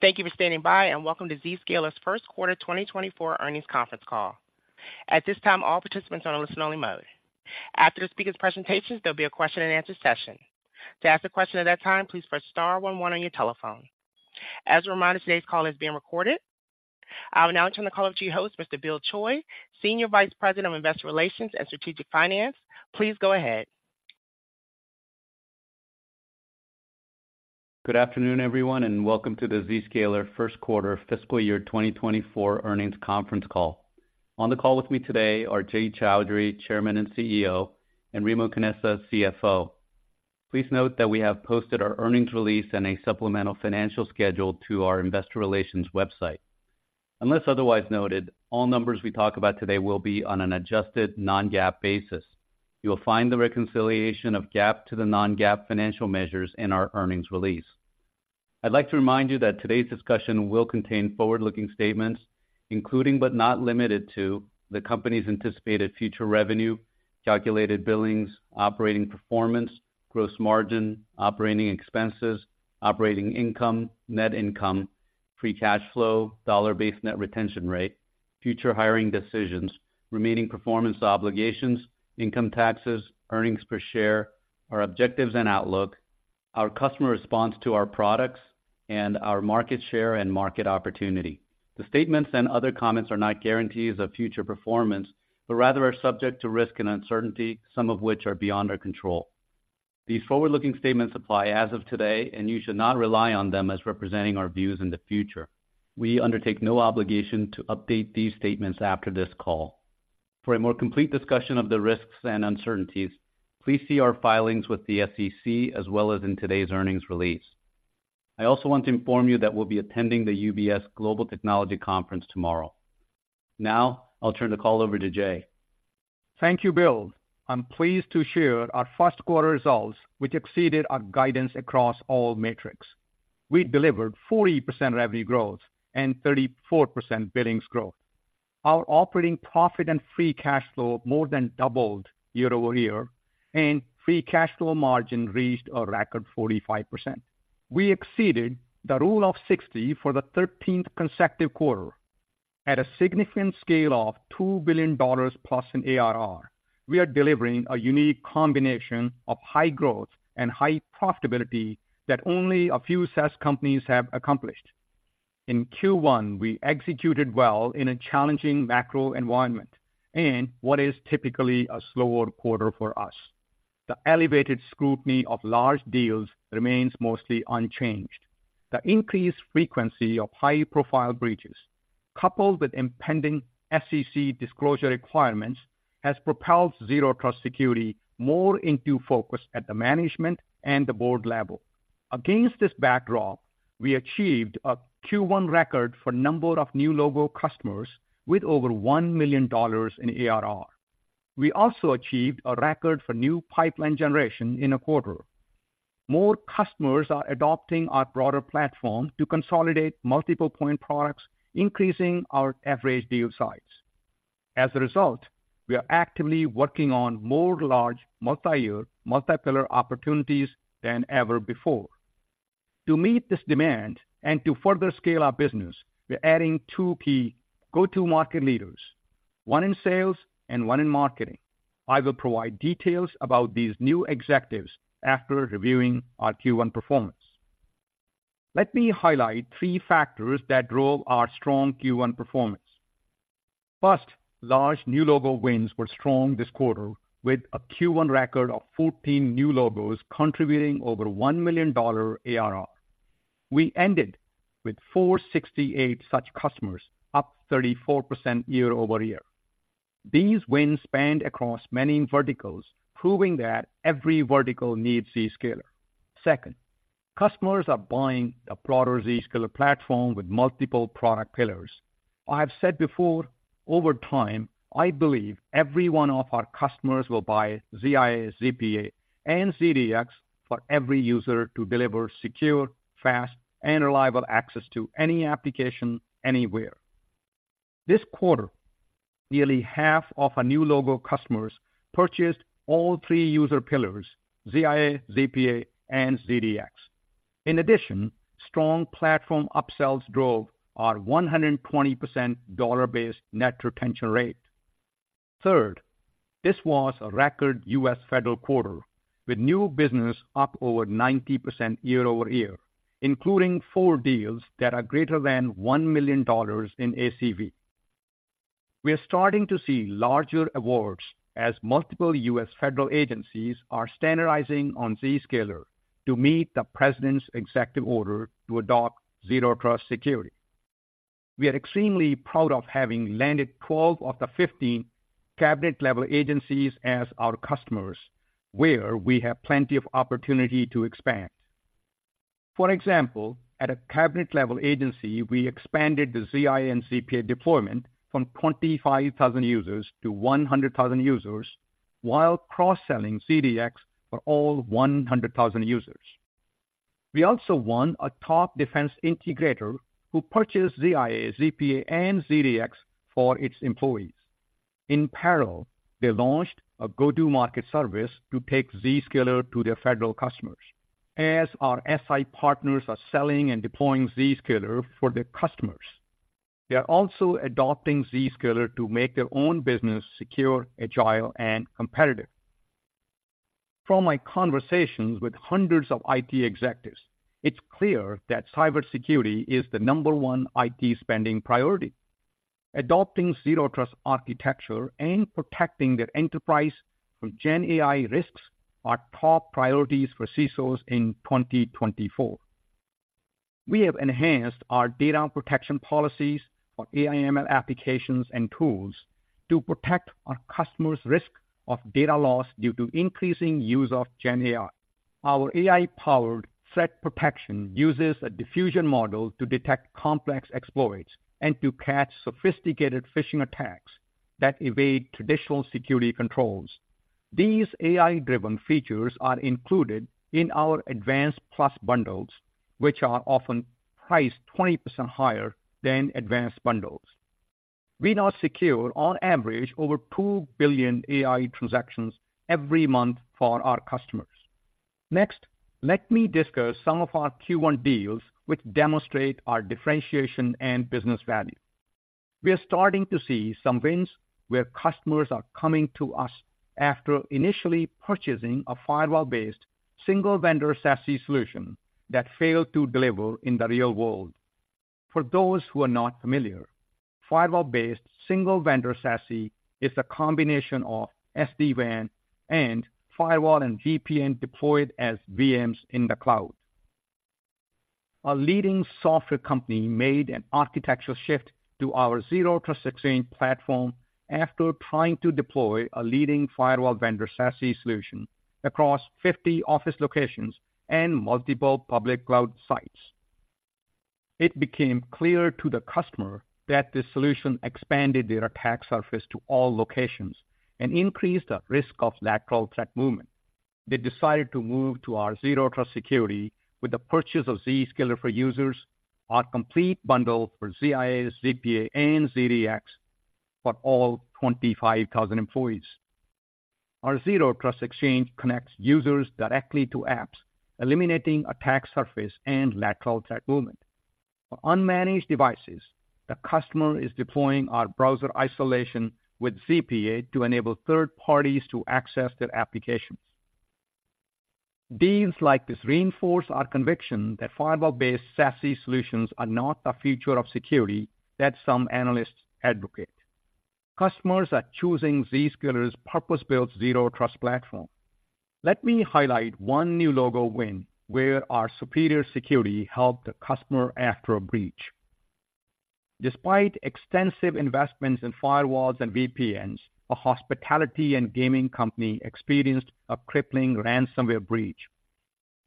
Thank you for standing by, and welcome to Zscaler's First Quarter 2024 Earnings Conference Call. At this time, all participants are in a listen-only mode. After the speaker's presentations, there'll be a question-and-answer session. To ask a question at that time, please press star one one on your telephone. As a reminder, today's call is being recorded. I will now turn the call over to your host, Mr. Bill Choi, Senior Vice President of Investor Relations and Strategic Finance. Please go ahead. Good afternoon, everyone, and welcome to the Zscaler First Quarter Fiscal Year 2024 Earnings Conference Call. On the call with me today are Jay Chaudhry, Chairman and CEO, and Remo Canessa, CFO. Please note that we have posted our earnings release and a supplemental financial schedule to our investor relations website. Unless otherwise noted, all numbers we talk about today will be on an adjusted non-GAAP basis. You will find the reconciliation of GAAP to the non-GAAP financial measures in our earnings release. I'd like to remind you that today's discussion will contain forward-looking statements, including but not limited to, the company's anticipated future revenue, calculated billings, operating performance, gross margin, operating expenses, operating income, net income, free cash flow, dollar-based net retention rate, future hiring decisions, remaining performance obligations, income taxes, earnings per share, our objectives and outlook, our customer response to our products, and our market share and market opportunity. The statements and other comments are not guarantees of future performance, but rather are subject to risk and uncertainty, some of which are beyond our control. These forward-looking statements apply as of today, and you should not rely on them as representing our views in the future. We undertake no obligation to update these statements after this call. For a more complete discussion of the risks and uncertainties, please see our filings with the SEC as well as in today's earnings release. I also want to inform you that we'll be attending the UBS Global Technology Conference tomorrow. Now, I'll turn the call over to Jay. Thank you, Bill. I'm pleased to share our first quarter results, which exceeded our guidance across all metrics. We delivered 40% revenue growth and 34% billings growth. Our operating profit and free cash flow more than doubled year over year, and free cash flow margin reached a record 45%. We exceeded the Rule of 60 for the 13th consecutive quarter at a significant scale of $2+ billion in ARR. We are delivering a unique combination of high growth and high profitability that only a few SaaS companies have accomplished. In Q1, we executed well in a challenging macro environment and what is typically a slower quarter for us. The elevated scrutiny of large deals remains mostly unchanged. The increased frequency of high-profile breaches, coupled with impending SEC disclosure requirements, has propelled Zero Trust security more into focus at the management and the board level. Against this backdrop, we achieved a Q1 record for number of new logo customers with over $1 million in ARR. We also achieved a record for new pipeline generation in a quarter. More customers are adopting our broader platform to consolidate multiple point products, increasing our average deal size. As a result, we are actively working on more large, multi-year, multi-pillar opportunities than ever before. To meet this demand and to further scale our business, we're adding two key go-to-market leaders, one in sales and one in marketing. I will provide details about these new executives after reviewing our Q1 performance. Let me highlight three factors that drove our strong Q1 performance. First, large new logo wins were strong this quarter, with a Q1 record of 14 new logos contributing over $1 million ARR. We ended with 468 such customers, up 34% year-over-year. These wins spanned across many verticals, proving that every vertical needs Zscaler. Second, customers are buying the broader Zscaler platform with multiple product pillars. I have said before, over time, I believe every one of our customers will buy ZIA, ZPA, and ZDX for every user to deliver secure, fast, and reliable access to any application, anywhere. This quarter, nearly half of our new logo customers purchased all three user pillars, ZIA, ZPA, and ZDX. In addition, strong platform upsells drove our 120% dollar-based net retention rate. Third, this was a record U.S. federal quarter, with new business up over 90% year-over-year, including four deals that are greater than $1 million in ACV. We are starting to see larger awards as multiple U.S. federal agencies are standardizing on Zscaler to meet the president's executive order to adopt Zero Trust security. We are extremely proud of having landed 12 of the 15 cabinet-level agencies as our customers, where we have plenty of opportunity to expand. For example, at a cabinet-level agency, we expanded the ZIA and ZPA deployment from 25,000 users to 100,000 users, while cross-selling ZDX for all 100,000 users. We also won a top defense integrator who purchased ZIA, ZPA, and ZDX for its employees. In parallel, they launched a go-to-market service to take Zscaler to their federal customers. As our SI partners are selling and deploying Zscaler for their customers, they are also adopting Zscaler to make their own business secure, agile, and competitive. From my conversations with hundreds of IT executives, it's clear that cybersecurity is the number one IT spending priority. Adopting Zero Trust architecture and protecting their enterprise from GenAI risks are top priorities for CISOs in 2024. We have enhanced our data protection policies for AI/ML applications and tools to protect our customers' risk of data loss due to increasing use of GenAI. Our AI-powered threat protection uses a diffusion model to detect complex exploits and to catch sophisticated phishing attacks that evade traditional security controls. These AI-driven features are included in our Advanced Plus bundles, which are often priced 20% higher than advanced bundles. We now secure, on average, over two billion AI transactions every month for our customers. Next, let me discuss some of our Q1 deals which demonstrate our differentiation and business value. We are starting to see some wins where customers are coming to us after initially purchasing a firewall-based, single-vendor SASE solution that failed to deliver in the real world. For those who are not familiar, firewall-based, single-vendor SASE is a combination of SD-WAN and firewall and VPN deployed as VMs in the cloud. A leading software company made an architectural shift to our Zero Trust Exchange platform after trying to deploy a leading firewall vendor SASE solution across 50 office locations and multiple public cloud sites. It became clear to the customer that this solution expanded their attack surface to all locations and increased the risk of lateral threat movement. They decided to move to our Zero Trust security with the purchase of Zscaler for Users, our complete bundle for ZIA, ZPA, and ZDX for all 25,000 employees. Our Zero Trust Exchange connects users directly to apps, eliminating attack surface and lateral threat movement. For unmanaged devices, the customer is deploying our browser isolation with ZPA to enable third parties to access their applications. Deals like this reinforce our conviction that firewall-based SASE solutions are not the future of security that some analysts advocate. Customers are choosing Zscaler's purpose-built Zero Trust platform. Let me highlight one new logo win where our superior security helped a customer after a breach. Despite extensive investments in firewalls and VPNs, a hospitality and gaming company experienced a crippling ransomware breach.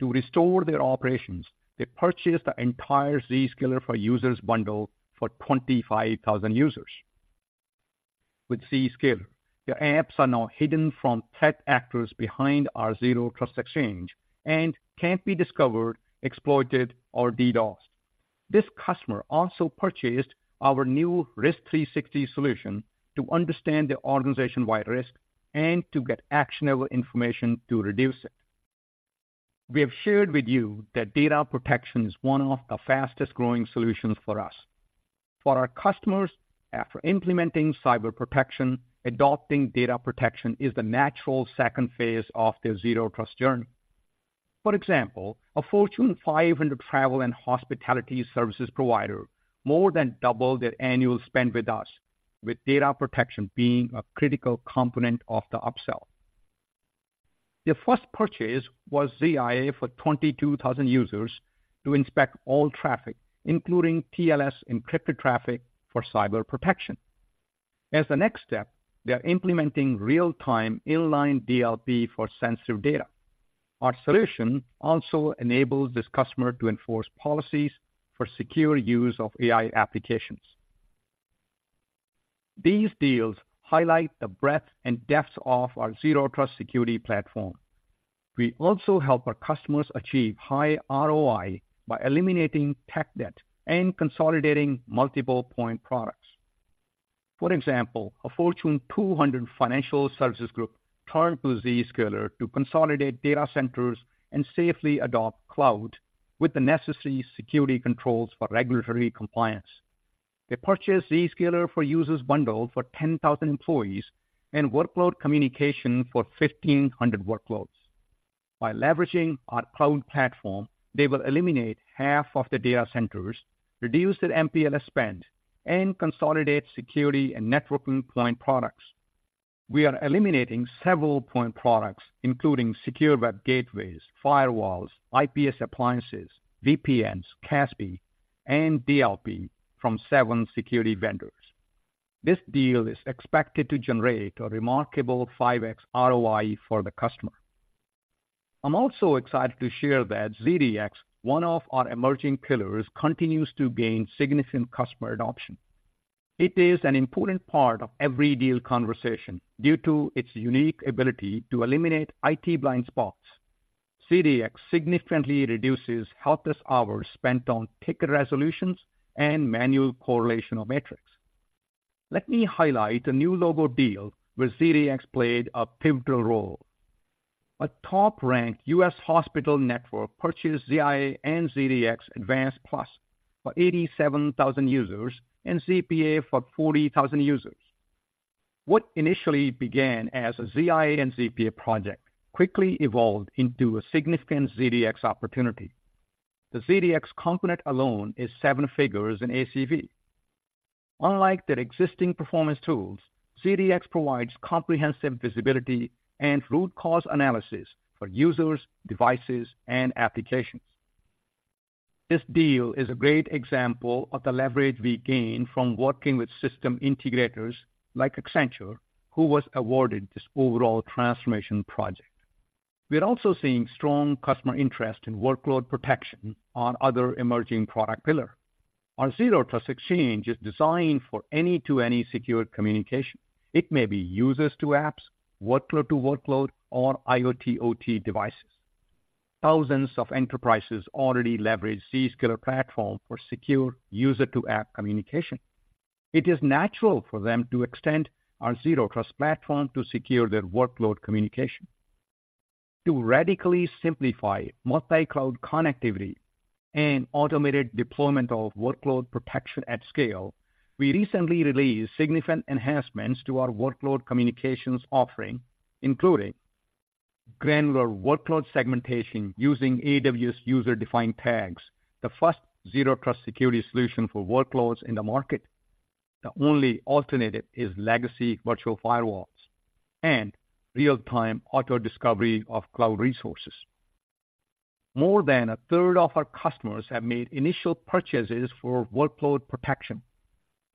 To restore their operations, they purchased the entire Zscaler for Users bundle for 25,000 users. With Zscaler, their apps are now hidden from threat actors behind our Zero Trust Exchange and can't be discovered, exploited, or DDoSed. This customer also purchased our new Risk360 solution to understand their organization-wide risk and to get actionable information to reduce it. We have shared with you that data protection is one of the fastest-growing solutions for us. For our customers, after implementing cyber protection, adopting data protection is the natural second phase of their Zero Trust journey. For example, a Fortune 500 travel and hospitality services provider more than doubled their annual spend with us, with data protection being a critical component of the upsell. Their first purchase was ZIA for 22,000 users to inspect all traffic, including TLS-encrypted traffic for cyber protection. As the next step, they are implementing real-time inline DLP for sensitive data. Our solution also enables this customer to enforce policies for secure use of AI applications. These deals highlight the breadth and depth of our Zero Trust security platform. We also help our customers achieve high ROI by eliminating tech debt and consolidating multiple point products. For example, a Fortune 200 financial services group turned to Zscaler to consolidate data centers and safely adopt cloud with the necessary security controls for regulatory compliance. They purchased Zscaler for Users bundle for 10,000 employees and workload communication for 1,500 workloads. By leveraging our cloud platform, they will eliminate half of the data centers, reduce their MPLS spend, and consolidate security and networking point products. We are eliminating several point products, including secure web gateways, firewalls, IPS appliances, VPNs, CASB, and DLP from seven security vendors. This deal is expected to generate a remarkable 5x ROI for the customer. I'm also excited to share that ZDX, one of our emerging pillars, continues to gain significant customer adoption. It is an important part of every deal conversation due to its unique ability to eliminate IT blind spots. ZDX significantly reduces helpless hours spent on ticket resolutions and manual correlational metrics. Let me highlight a new logo deal where ZDX played a pivotal role. A top-ranked U.S. hospital network purchased ZIA and ZDX Advanced Plus for 87,000 users and ZPA for 40,000 users. What initially began as a ZIA and ZPA project quickly evolved into a significant ZDX opportunity. The ZDX component alone is seven figures in ACV. Unlike their existing performance tools, ZDX provides comprehensive visibility and root cause analysis for users, devices, and applications. This deal is a great example of the leverage we gain from working with system integrators like Accenture, who was awarded this overall transformation project. We are also seeing strong customer interest in workload protection on other emerging product pillar. Our Zero Trust Exchange is designed for any-to-any secure communication. It may be users to apps, workload to workload, or IoT/OT devices. Thousands of enterprises already leverage Zscaler platform for secure user-to-app communication. It is natural for them to extend our Zero Trust platform to secure their workload communication. To radically simplify multi-cloud connectivity and automated deployment of workload protection at scale, we recently released significant enhancements to our workload communications offering, including granular workload segmentation using AWS user-defined tags, the first Zero Trust security solution for workloads in the market. The only alternative is legacy virtual firewalls and real-time auto-discovery of cloud resources. More than a third of our customers have made initial purchases for workload protection.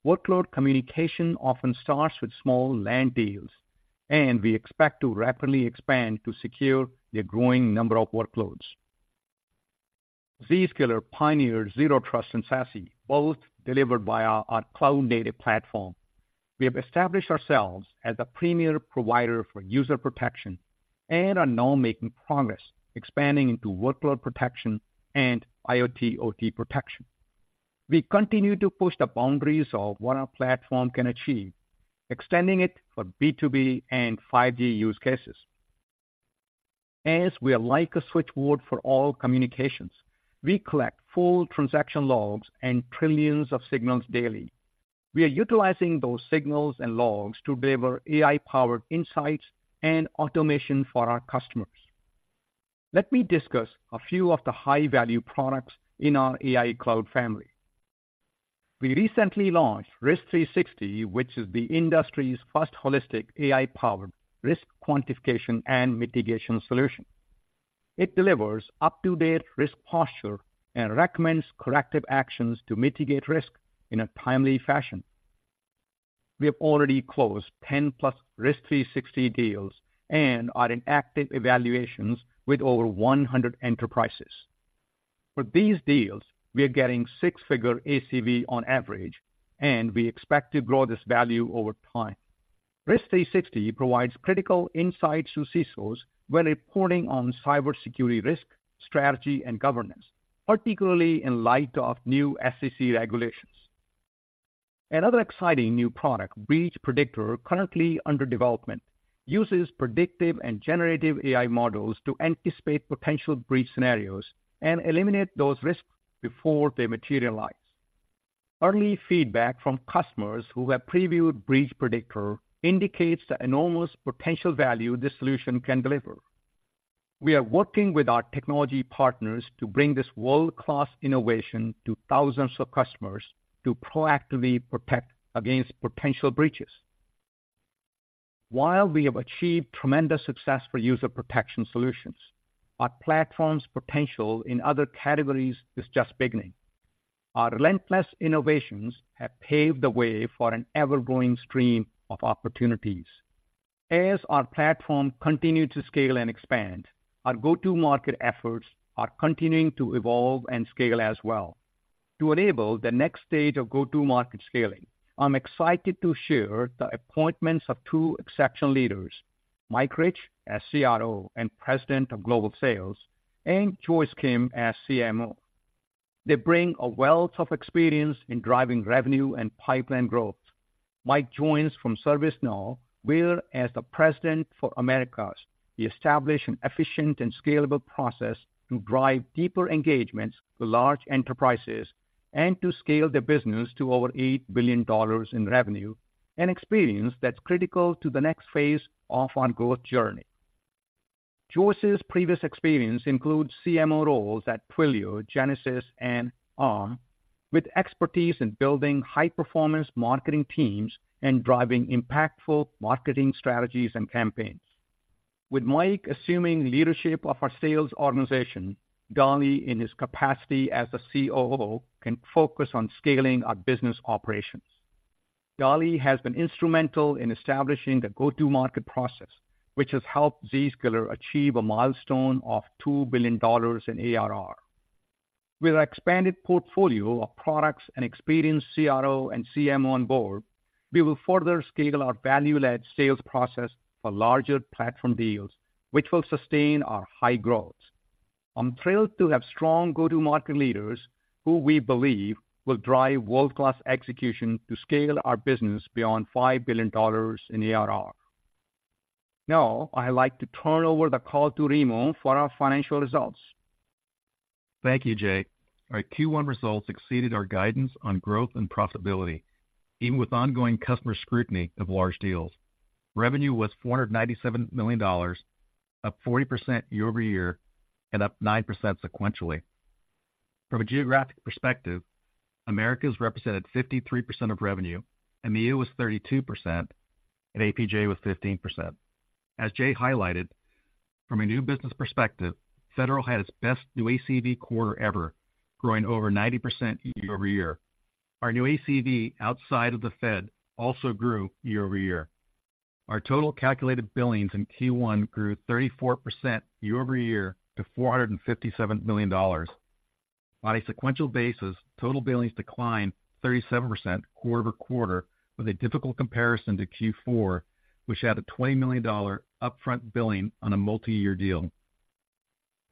Workload communication often starts with small land deals, and we expect to rapidly expand to secure their growing number of workloads. Zscaler pioneered Zero Trust and SASE, both delivered via our cloud-native platform. We have established ourselves as a premier provider for user protection, and are now making progress expanding into workload protection and IoT/OT protection. We continue to push the boundaries of what our platform can achieve, extending it for B2B and 5G use cases. As we are like a switchboard for all communications, we collect full transaction logs and trillions of signals daily. We are utilizing those signals and logs to deliver AI-powered insights and automation for our customers. Let me discuss a few of the high-value products in our AI cloud family. We recently launched Risk360, which is the industry's first holistic AI-powered risk quantification and mitigation solution. It delivers up-to-date risk posture and recommends corrective actions to mitigate risk in a timely fashion. We have already closed 10+ Risk360 deals and are in active evaluations with over 100 enterprises. For these deals, we are getting six-figure ACV on average, and we expect to grow this value over time. Risk360 provides critical insights to CISOs when reporting on cybersecurity risk, strategy, and governance, particularly in light of new SEC regulations. Another exciting new product, Breach Predictor, currently under development, uses predictive and generative AI models to anticipate potential breach scenarios and eliminate those risks before they materialize. Early feedback from customers who have previewed Breach Predictor indicates the enormous potential value this solution can deliver. We are working with our technology partners to bring this world-class innovation to thousands of customers to proactively protect against potential breaches. While we have achieved tremendous success for user protection solutions, our platform's potential in other categories is just beginning. Our relentless innovations have paved the way for an ever-growing stream of opportunities. As our platform continue to scale and expand, our go-to-market efforts are continuing to evolve and scale as well. To enable the next stage of go-to-market scaling, I'm excited to share the appointments of two exceptional leaders, Mike Rich as CRO and President of Global Sales, and Joyce Kim as CMO. They bring a wealth of experience in driving revenue and pipeline growth. Mike joins from ServiceNow, where as the President for Americas, he established an efficient and scalable process to drive deeper engagements with large enterprises and to scale their business to over $8 billion in revenue, an experience that's critical to the next phase of our growth journey. Joyce's previous experience includes CMO roles at Twilio, Genesys, and Arm, with expertise in building high-performance marketing teams and driving impactful marketing strategies and campaigns. With Mike assuming leadership of our sales organization, Dali, in his capacity as the COO, can focus on scaling our business operations. Dali has been instrumental in establishing the go-to-market process, which has helped Zscaler achieve a milestone of $2 billion in ARR. With our expanded portfolio of products and experienced CRO and CMO on board, we will further scale our value-led sales process for larger platform deals, which will sustain our high growth. I'm thrilled to have strong go-to-market leaders who we believe will drive world-class execution to scale our business beyond $5 billion in ARR. Now, I'd like to turn over the call to Remo for our financial results. Thank you, Jay. Our Q1 results exceeded our guidance on growth and profitability, even with ongoing customer scrutiny of large deals. Revenue was $497 million, up 40% year-over-year, and up 9% sequentially. From a geographic perspective, Americas represented 53% of revenue, EMEA was 32%, and APJ was 15%. As Jay highlighted, from a new business perspective, federal had its best new ACV quarter ever, growing over 90% year-over-year. Our new ACV, outside of the Fed, also grew year-over-year. Our total calculated billings in Q1 grew 34% year-over-year to $457 million. On a sequential basis, total billings declined 37% quarter-over-quarter, with a difficult comparison to Q4, which had a $20 million upfront billing on a multi-year deal.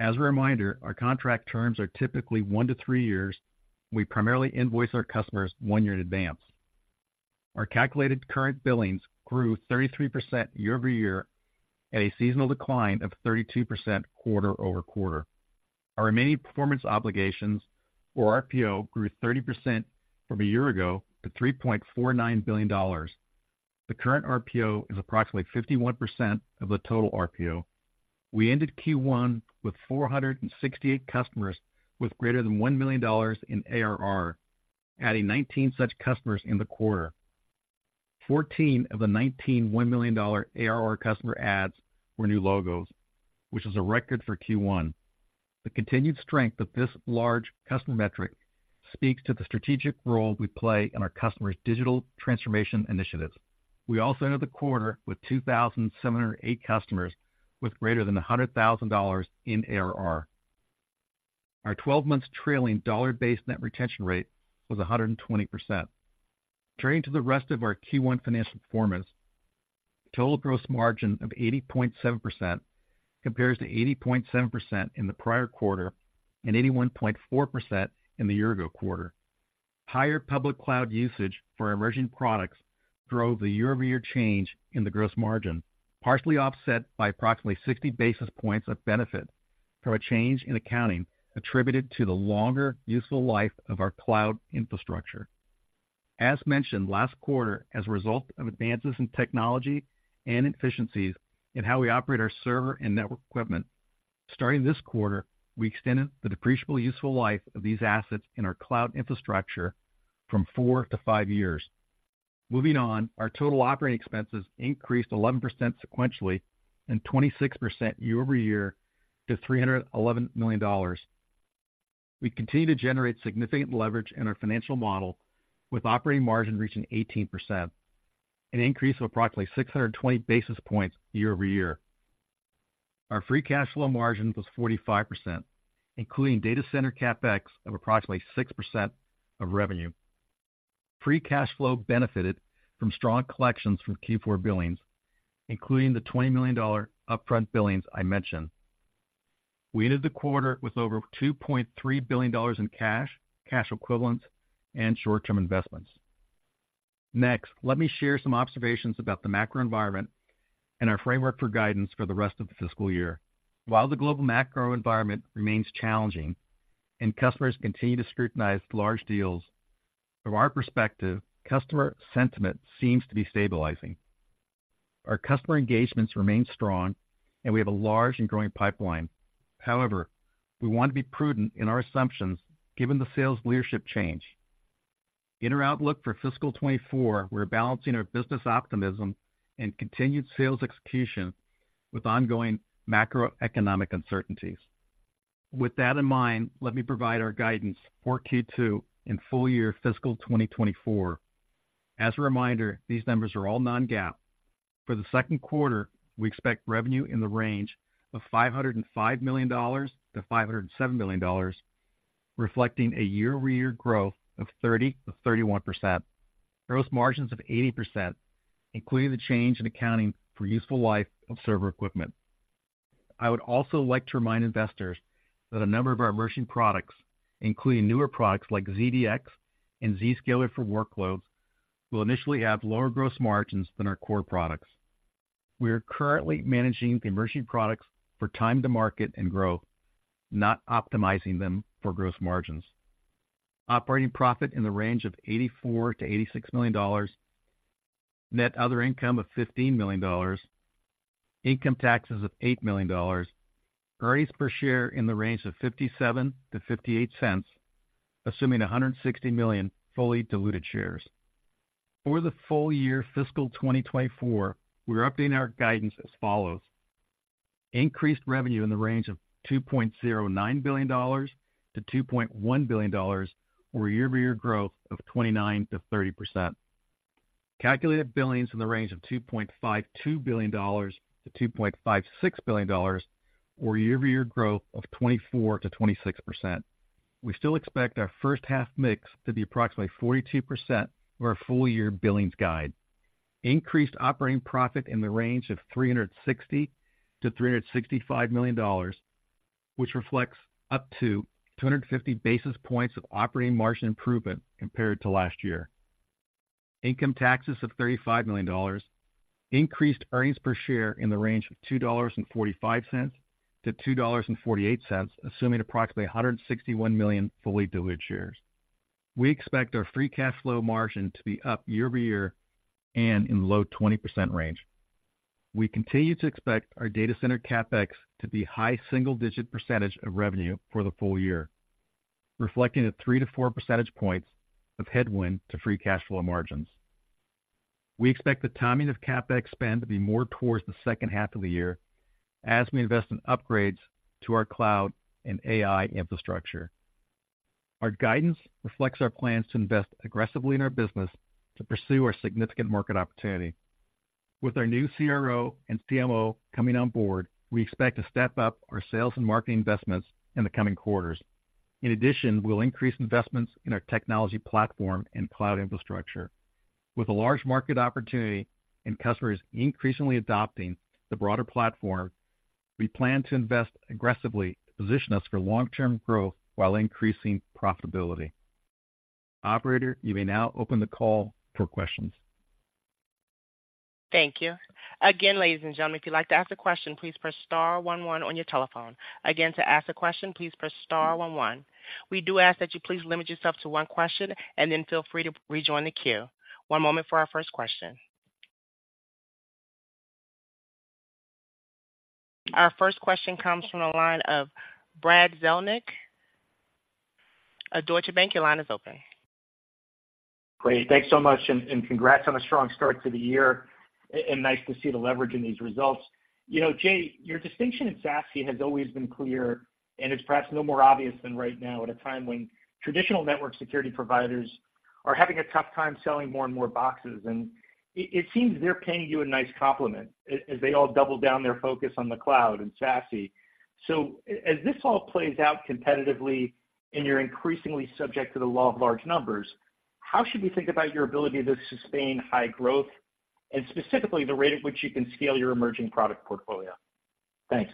As a reminder, our contract terms are typically one to three years. We primarily invoice our customers one year in advance. Our calculated current billings grew 33% year-over-year, at a seasonal decline of 32% quarter-over-quarter. Our remaining performance obligations, or RPO, grew 30% from a year ago to $3.49 billion. The current RPO is approximately 51% of the total RPO. We ended Q1 with 468 customers with greater than $1 million in ARR, adding 19 such customers in the quarter. Fourteen of the 19 $1 million ARR customer adds were new logos, which is a record for Q1. The continued strength of this large customer metric speaks to the strategic role we play in our customers' digital transformation initiatives. We also ended the quarter with 2,708 customers, with greater than $100,000 in ARR. Our 12-month trailing dollar-based net retention rate was 120%. Turning to the rest of our Q1 financial performance, total gross margin of 80.7% compares to 80.7% in the prior quarter, and 81.4% in the year-ago quarter. Higher public cloud usage for emerging products drove the year-over-year change in the gross margin, partially offset by approximately 60 basis points of benefit from a change in accounting attributed to the longer useful life of our cloud infrastructure. As mentioned last quarter, as a result of advances in technology and efficiencies in how we operate our server and network equipment, starting this quarter, we extended the depreciable useful life of these assets in our cloud infrastructure from four to five years. Moving on, our total operating expenses increased 11% sequentially and 26% year-over-year to $311 million. We continue to generate significant leverage in our financial model, with operating margin reaching 18%, an increase of approximately 620 basis points year-over-year. Our free cash flow margin was 45%, including data center CapEx of approximately 6% of revenue. Free cash flow benefited from strong collections from Q4 billings, including the $20 million upfront billings I mentioned. We ended the quarter with over $2.3 billion in cash, cash equivalents, and short-term investments. Next, let me share some observations about the macro environment and our framework for guidance for the rest of the fiscal year. While the global macro environment remains challenging and customers continue to scrutinize large deals, from our perspective, customer sentiment seems to be stabilizing. Our customer engagements remain strong, and we have a large and growing pipeline. However, we want to be prudent in our assumptions given the sales leadership change. In our outlook for fiscal 2024, we're balancing our business optimism and continued sales execution with ongoing macroeconomic uncertainties. With that in mind, let me provide our guidance for Q2 and full year fiscal 2024. As a reminder, these numbers are all non-GAAP. For the second quarter, we expect revenue in the range of $505 million-$507 million, reflecting a year-over-year growth of 30%-31%. Gross margins of 80%, including the change in accounting for useful life of server equipment. I would also like to remind investors that a number of our emerging products, including newer products like ZDX and Zscaler for Workloads, will initially have lower gross margins than our core products. We are currently managing the emerging products for time to market and growth, not optimizing them for gross margins. Operating profit in the range of $84 million-$86 million, net other income of $15 million, income taxes of $8 million, earnings per share in the range of $0.57-$0.58, assuming 160 million fully diluted shares. For the full year, fiscal 2024, we are updating our guidance as follows: increased revenue in the range of $2.09 billion-$2.1 billion, or a year-over-year growth of 29%-30%. Calculated billings in the range of $2.52 billion-$2.56 billion, or year-over-year growth of 24%-26%. We still expect our first half mix to be approximately 42% of our full-year billings guide. Increased operating profit in the range of $360 million-$365 million, which reflects up to 250 basis points of operating margin improvement compared to last year. Income taxes of $35 million. Increased earnings per share in the range of $2.45-$2.48, assuming approximately 161 million fully diluted shares. We expect our free cash flow margin to be up year-over-year and in the low 20% range. We continue to expect our data center CapEx to be high single-digit percentage of revenue for the full year, reflecting 3 percentage points-4 percentage points of headwind to free cash flow margins. We expect the timing of CapEx spend to be more towards the second half of the year as we invest in upgrades to our cloud and AI infrastructure. Our guidance reflects our plans to invest aggressively in our business to pursue our significant market opportunity. With our new CRO and CMO coming on board, we expect to step up our sales and marketing investments in the coming quarters. In addition, we'll increase investments in our technology platform and cloud infrastructure. With a large market opportunity and customers increasingly adopting the broader platform, we plan to invest aggressively to position us for long-term growth while increasing profitability. Operator, you may now open the call for questions. Thank you. Again, ladies and gentlemen, if you'd like to ask a question, please press star one one on your telephone. Again, to ask a question, please press star one one. We do ask that you please limit yourself to one question and then feel free to rejoin the queue. One moment for our first question. Our first question comes from the line of Brad Zelnick at Deutsche Bank. Your line is open. Great. Thanks so much, and congrats on a strong start to the year and nice to see the leverage in these results. You know, Jay, your distinction in SASE has always been clear, and it's perhaps no more obvious than right now, at a time when traditional network security providers are having a tough time selling more and more boxes. It seems they're paying you a nice compliment as they all double down their focus on the cloud and SASE. So as this all plays out competitively and you're increasingly subject to the law of large numbers, how should we think about your ability to sustain high growth and specifically the rate at which you can scale your emerging product portfolio? Thanks.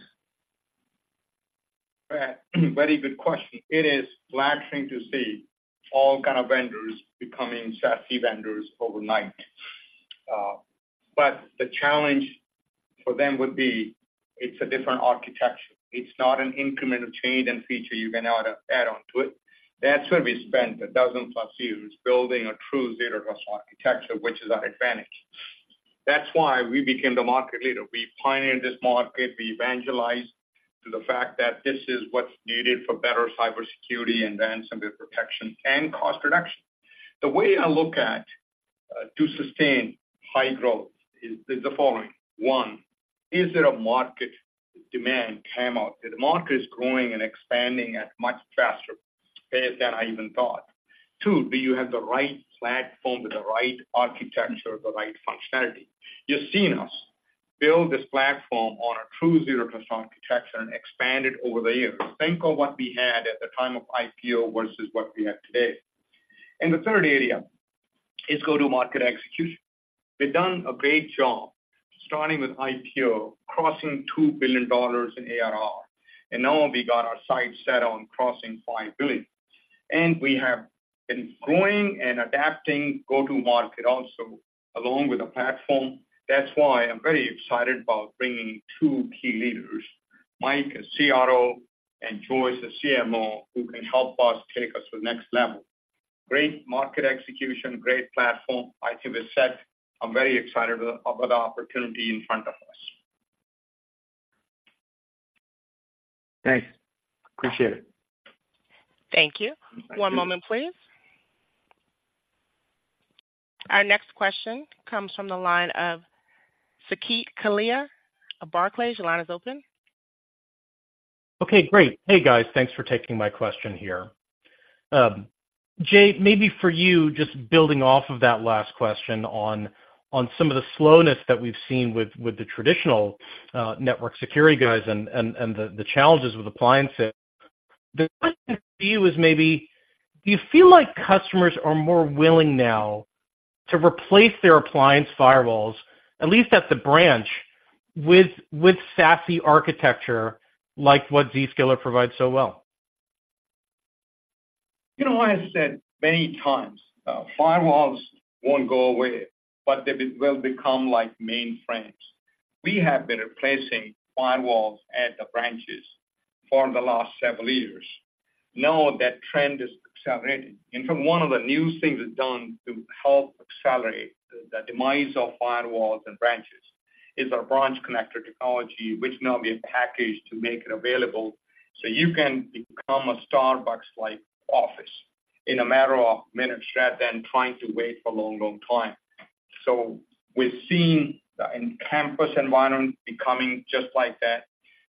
Very good question. It is flattering to see all kind of vendors becoming SASE vendors overnight. But the challenge for them would be it's a different architecture. It's not an incremental change and feature you can now add on to it. That's why we spent 12+ years building a true Zero Trust architecture, which is our advantage. That's why we became the market leader. We pioneered this market. We evangelized to the fact that this is what's needed for better cybersecurity and ransomware protection and cost reduction. The way I look at, to sustain high growth is the following: One, is there a market demand came out? The market is growing and expanding at much faster pace than I even thought. Two, do you have the right platform with the right architecture, the right functionality? You've seen us build this platform on a true Zero Trust architecture and expand it over the years. Think of what we had at the time of IPO versus what we have today. And the third area is go-to-market execution. We've done a great job starting with IPO, crossing $2 billion in ARR, and now we got our sights set on crossing $5 billion, and we have been growing and adapting go-to-market also along with the platform. That's why I'm very excited about bringing two key leaders, Mike, as CRO and Joyce, the CMO, who can help us take us to the next level. Great market execution, great platform. I think we're set. I'm very excited about the opportunity in front of us. Thanks. Appreciate it. Thank you. One moment, please. Our next question comes from the line of Saket Kalia of Barclays. Your line is open. Okay, great. Hey, guys. Thanks for taking my question here. Jay, maybe for you, just building off of that last question on some of the slowness that we've seen with the traditional network security guys and the challenges with appliances. The question for you is maybe, do you feel like customers are more willing now to replace their appliance firewalls, at least at the branch, with SASE architecture, like what Zscaler provides so well? You know, I have said many times, firewalls won't go away, but they will become like mainframes. We have been replacing firewalls at the branches for the last several years. Now, that trend is accelerating. In fact, one of the new things we've done to help accelerate the demise of firewalls and branches is our Branch Connector technology, which now be packaged to make it available. So you can become a Starbucks-like office in a matter of minutes, rather than trying to wait for a long, long time. We're seeing the on-campus environment becoming just like that.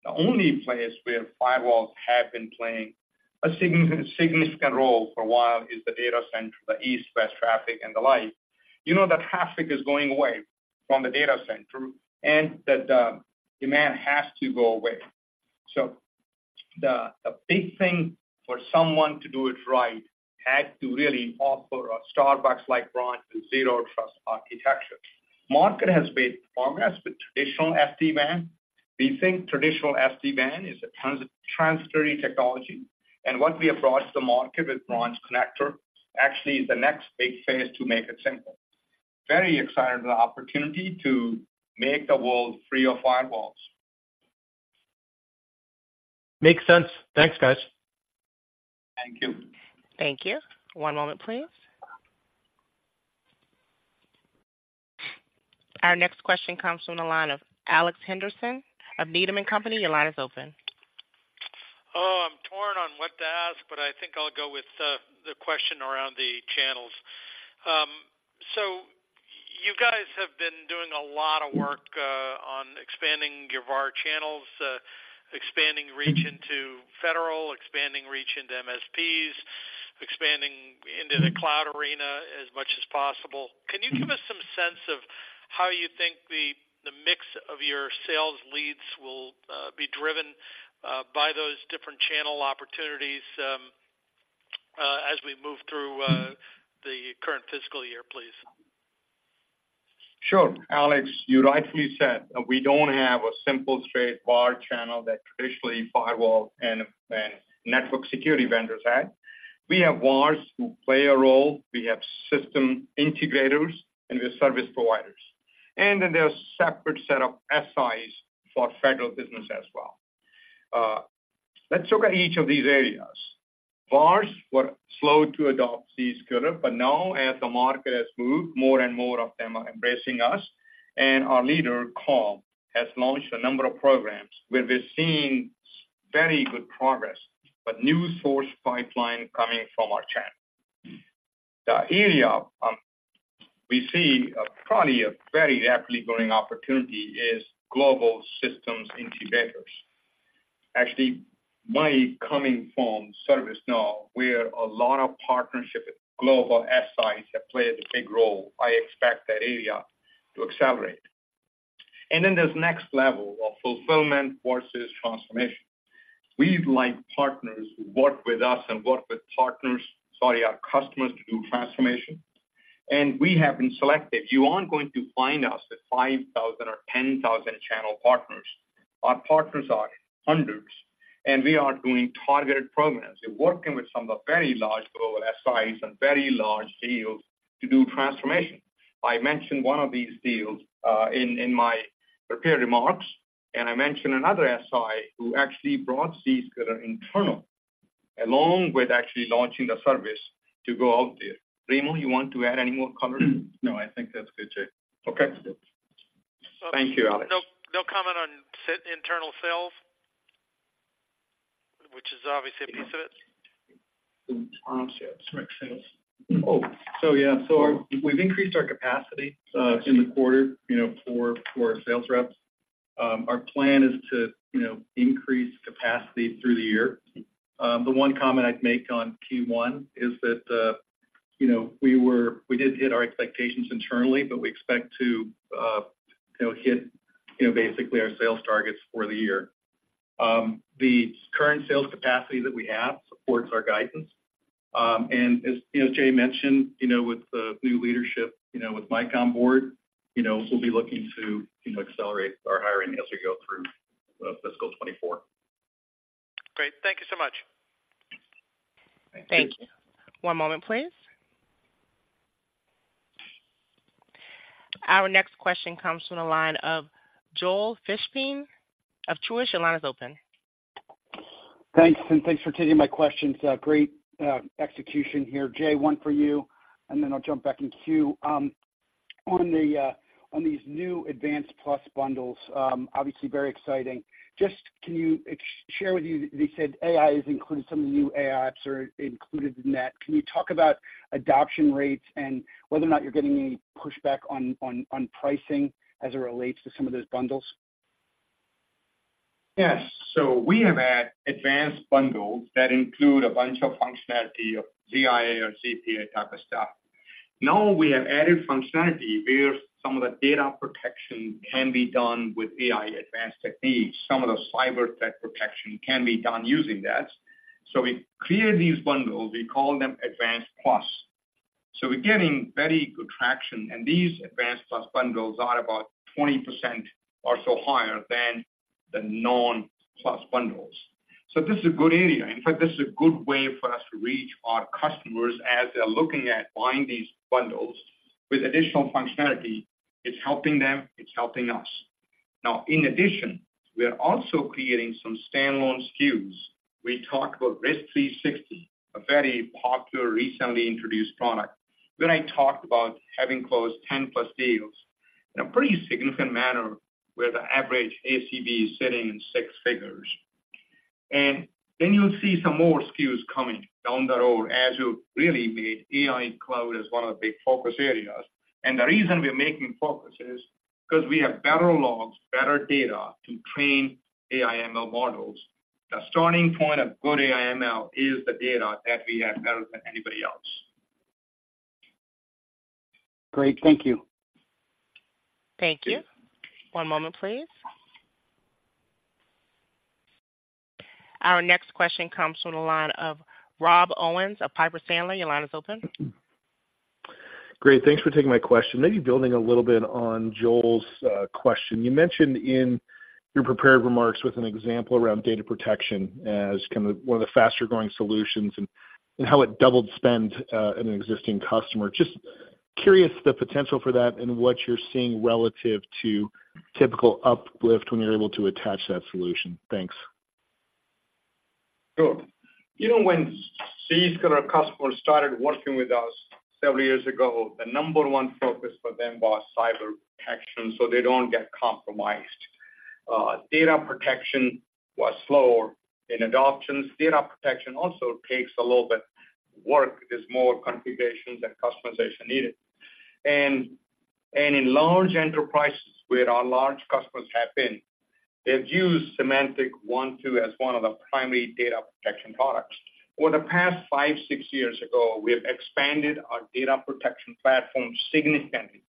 The only place where firewalls have been playing a significant, significant role for a while is the data center, the east-west traffic, and the like. You know, that traffic is going away from the data center, and that the demand has to go away. So the big thing for someone to do it right had to really offer a Starbucks-like branch and Zero Trust architecture. Market has made progress with traditional SD-WAN. We think traditional SD-WAN is a transitional technology, and what we approach the market with Branch Connector actually is the next big phase to make it simple. Very excited about the opportunity to make the world free of firewalls. Makes sense. Thanks, guys. Thank you. Thank you. One moment, please. Our next question comes from the line of Alex Henderson of Needham & Company. Your line is open. Oh, I'm torn on what to ask, but I think I'll go with the question around the channels. So you guys have been doing a lot of work on expanding your VAR channels, expanding reach into federal, expanding reach into MSPs, expanding into the cloud arena as much as possible. Can you give us some sense of how you think the mix of your sales leads will be driven by those different channel opportunities as we move through the current fiscal year, please? Sure. Alex, you rightly said, we don't have a simple, straight VAR channel that traditionally firewall and network security vendors have. We have VARs who play a role. We have system integrators and we have service providers. And then there are separate set of SIs for federal business as well. Let's look at each of these areas. VARs were slow to adopt these Zscaler, but now as the market has moved, more and more of them are embracing us, and our leader, Karl, has launched a number of programs where we're seeing very good progress, but new source pipeline coming from our channel. The area we see probably a very rapidly growing opportunity is global systems integrators. Actually, my coming from ServiceNow, where a lot of partnership with global SIs have played a big role, I expect that area to accelerate. And then there's next level of fulfillment versus transformation. We like partners who work with us and work with partners, sorry, our customers, to do transformation, and we have been selected. You aren't going to find us at 5,000 or 10,000 channel partners. Our partners are hundreds, and we are doing targeted programs and working with some of the very large global SIs and very large deals to do transformation. I mentioned one of these deals in my prepared remarks, and I mentioned another SI who actually brought Zscaler internal, along with actually launching the service to go out there. Remo, you want to add any more color? No, I think that's good, Jay. Okay. Thank you, Alex. No, no comment on internal sales, which is obviously a piece of it? Direct sales. Oh, so yeah, so we've increased our capacity in the quarter, you know, for, for our sales reps. Our plan is to, you know, increase capacity through the year. The one comment I'd make on Q1 is that, you know, we were we did hit our expectations internally, but we expect to, you know, hit, you know, basically our sales targets for the year. The current sales capacity that we have supports our guidance. And as, you know, Jay mentioned, you know, with the new leadership, you know, with Mike on board, you know, we'll be looking to, you know, accelerate our hiring as we go through fiscal 2024. Great. Thank you so much. Thank you. One moment, please. Our next question comes from the line of Joel Fishbein of Truist. Your line is open. Thanks, and thanks for taking my questions. Great execution here. Jay, one for you, and then I'll jump back in queue. On these new advanced plus bundles, obviously very exciting. Just can you share with us, they said AI is included, some of the new AI apps are included in that. Can you talk about adoption rates and whether or not you're getting any pushback on pricing as it relates to some of those bundles? Yes. So we have had advanced bundles that include a bunch of functionality of ZIA or ZPA type of stuff. Now, we have added functionality where some of the data protection can be done with AI advanced techniques. Some of the cyber threat protection can be done using that. So we clear these bundles, we call them Advanced Plus. So we're getting very good traction, and these Advanced Plus bundles are about 20% or so higher than the non-Plus bundles. So this is a good area. In fact, this is a good way for us to reach our customers as they're looking at buying these bundles with additional functionality. It's helping them, it's helping us. Now, in addition, we are also creating some standalone SKUs. We talked about Risk360, a very popular, recently introduced product, where I talked about having closed 10+ deals in a pretty significant manner, where the average ACV is sitting in six figures. And then you'll see some more SKUs coming down the road as you really make AI cloud as one of the big focus areas. And the reason we're making focus is because we have better logs, better data to train AI/ML models. The starting point of good AI/ML is the data that we have better than anybody else. Great, thank you. Thank you. One moment, please. Our next question comes from the line of Rob Owens of Piper Sandler. Your line is open. Great, thanks for taking my question. Maybe building a little bit on Joel's question. You mentioned in your prepared remarks with an example around data protection as kind of one of the faster-growing solutions and how it doubled spend in an existing customer. Just curious, the potential for that and what you're seeing relative to typical uplift when you're able to attach that solution. Thanks. Sure. You know, when these kind of customers started working with us several years ago, the number one focus for them was cyber protection, so they don't get compromised. Data protection was slower in adoption. Data protection also takes a little bit work. There's more configurations and customization needed. And, and in large enterprises where our large customers have been, they've used Symantec Endpoint as one of the primary data protection products. For the past five, six years ago, we have expanded our data protection platform significantly,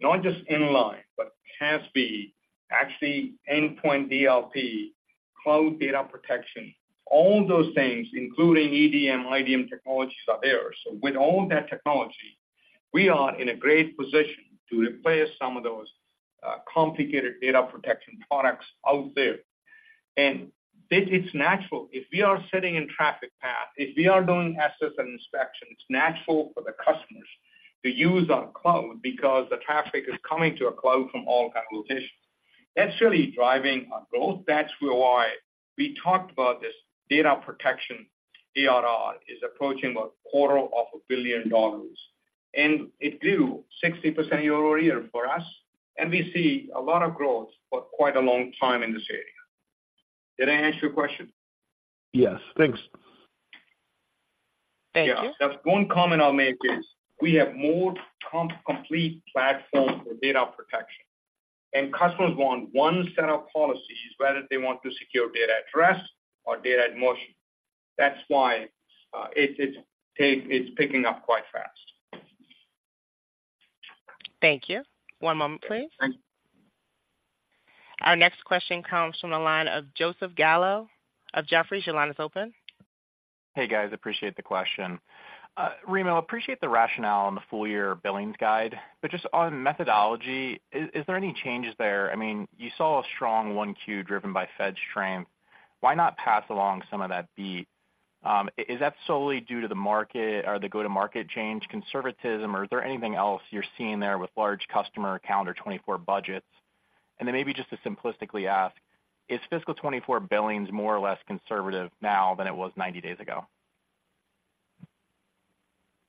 not just in line, but CASB, actually, Endpoint DLP, Cloud Data Protection, all those things, including EDM, IDM technologies are there. So with all that technology, we are in a great position to replace some of those, complicated data protection products out there. And it, it's natural. If we are sitting in traffic path, if we are doing assets and inspections, it's natural for the customers to use our cloud because the traffic is coming to a cloud from all kinds of locations. That's really driving our growth. That's why we talked about this data protection. ARR is approaching $250 million, and it grew 60% year-over-year for us, and we see a lot of growth for quite a long time in this area. Did I answer your question? Yes. Thanks. Thank you. Yeah. Just one comment I'll make is, we have more complete platform for data protection, and customers want one set of policies, whether they want to secure data at rest or data in motion. That's why it's picking up quite fast. Thank you. One moment, please. Our next question comes from the line of Joseph Gallo of Jefferies. Your line is open. Hey, guys, appreciate the question. Remo, appreciate the rationale on the full-year billings guide, but just on methodology, is, is there any changes there? I mean, you saw a strong 1Q driven by Fed strength. Why not pass along some of that beat? Is that solely due to the market or the go-to-market change conservatism, or is there anything else you're seeing there with large customer calendar 2024 budgets? And then maybe just to simplistically ask, is fiscal 2024 billings more or less conservative now than it was 90 days ago?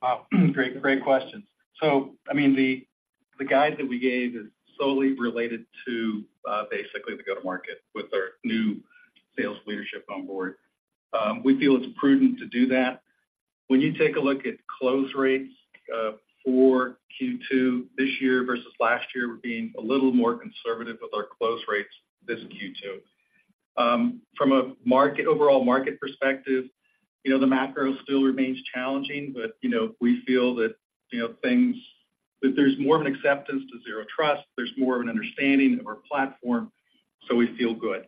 Wow, great, great questions. So I mean, the guide that we gave is solely related to, basically the go-to-market with our new sales leadership on board. We feel it's prudent to do that. When you take a look at close rates, for Q2 this year versus last year, we're being a little more conservative with our close rates this Q2. From a market, overall market perspective, you know, the macro still remains challenging, but, you know, we feel that, you know, that there's more of an acceptance to Zero Trust. There's more of an understanding of our platform, so we feel good.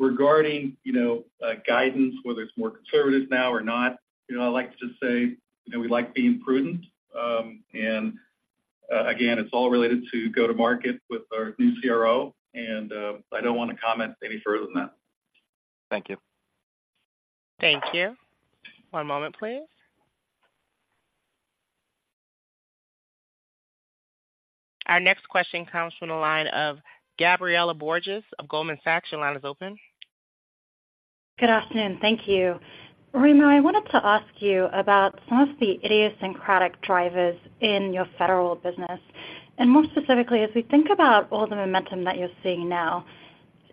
Regarding, you know, guidance, whether it's more conservative now or not, you know, I'd like to just say, you know, we like being prudent. Again, it's all related to go-to-market with our new CRO, and I don't want to comment any further than that. Thank you. Thank you. One moment, please. Our next question comes from the line of Gabriela Borges, of Goldman Sachs. Your line is open. Good afternoon. Thank you. Remo, I wanted to ask you about some of the idiosyncratic drivers in your federal business, and more specifically, as we think about all the momentum that you're seeing now,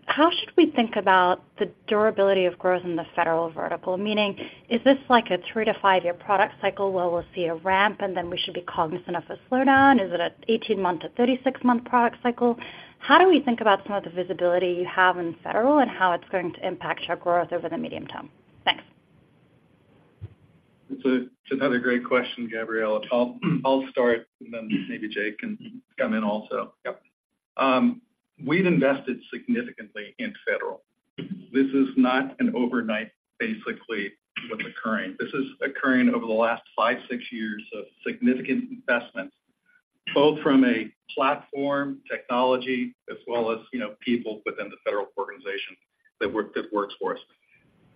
how should we think about the durability of growth in the federal vertical? Meaning, is this like a three- to five-year product cycle where we'll see a ramp, and then we should be cognizant of a slowdown? Is it an 18-month to 36-month product cycle? How do we think about some of the visibility you have in federal and how it's going to impact your growth over the medium term? Thanks. It's another great question, Gabriela. I'll start, and then maybe Jay can come in also. Yep. We've invested significantly in federal. This is not an overnight, basically, what's occurring. This is occurring over the last five, six years of significant investment, both from a platform technology as well as, you know, people within the federal organization that work, that works for us.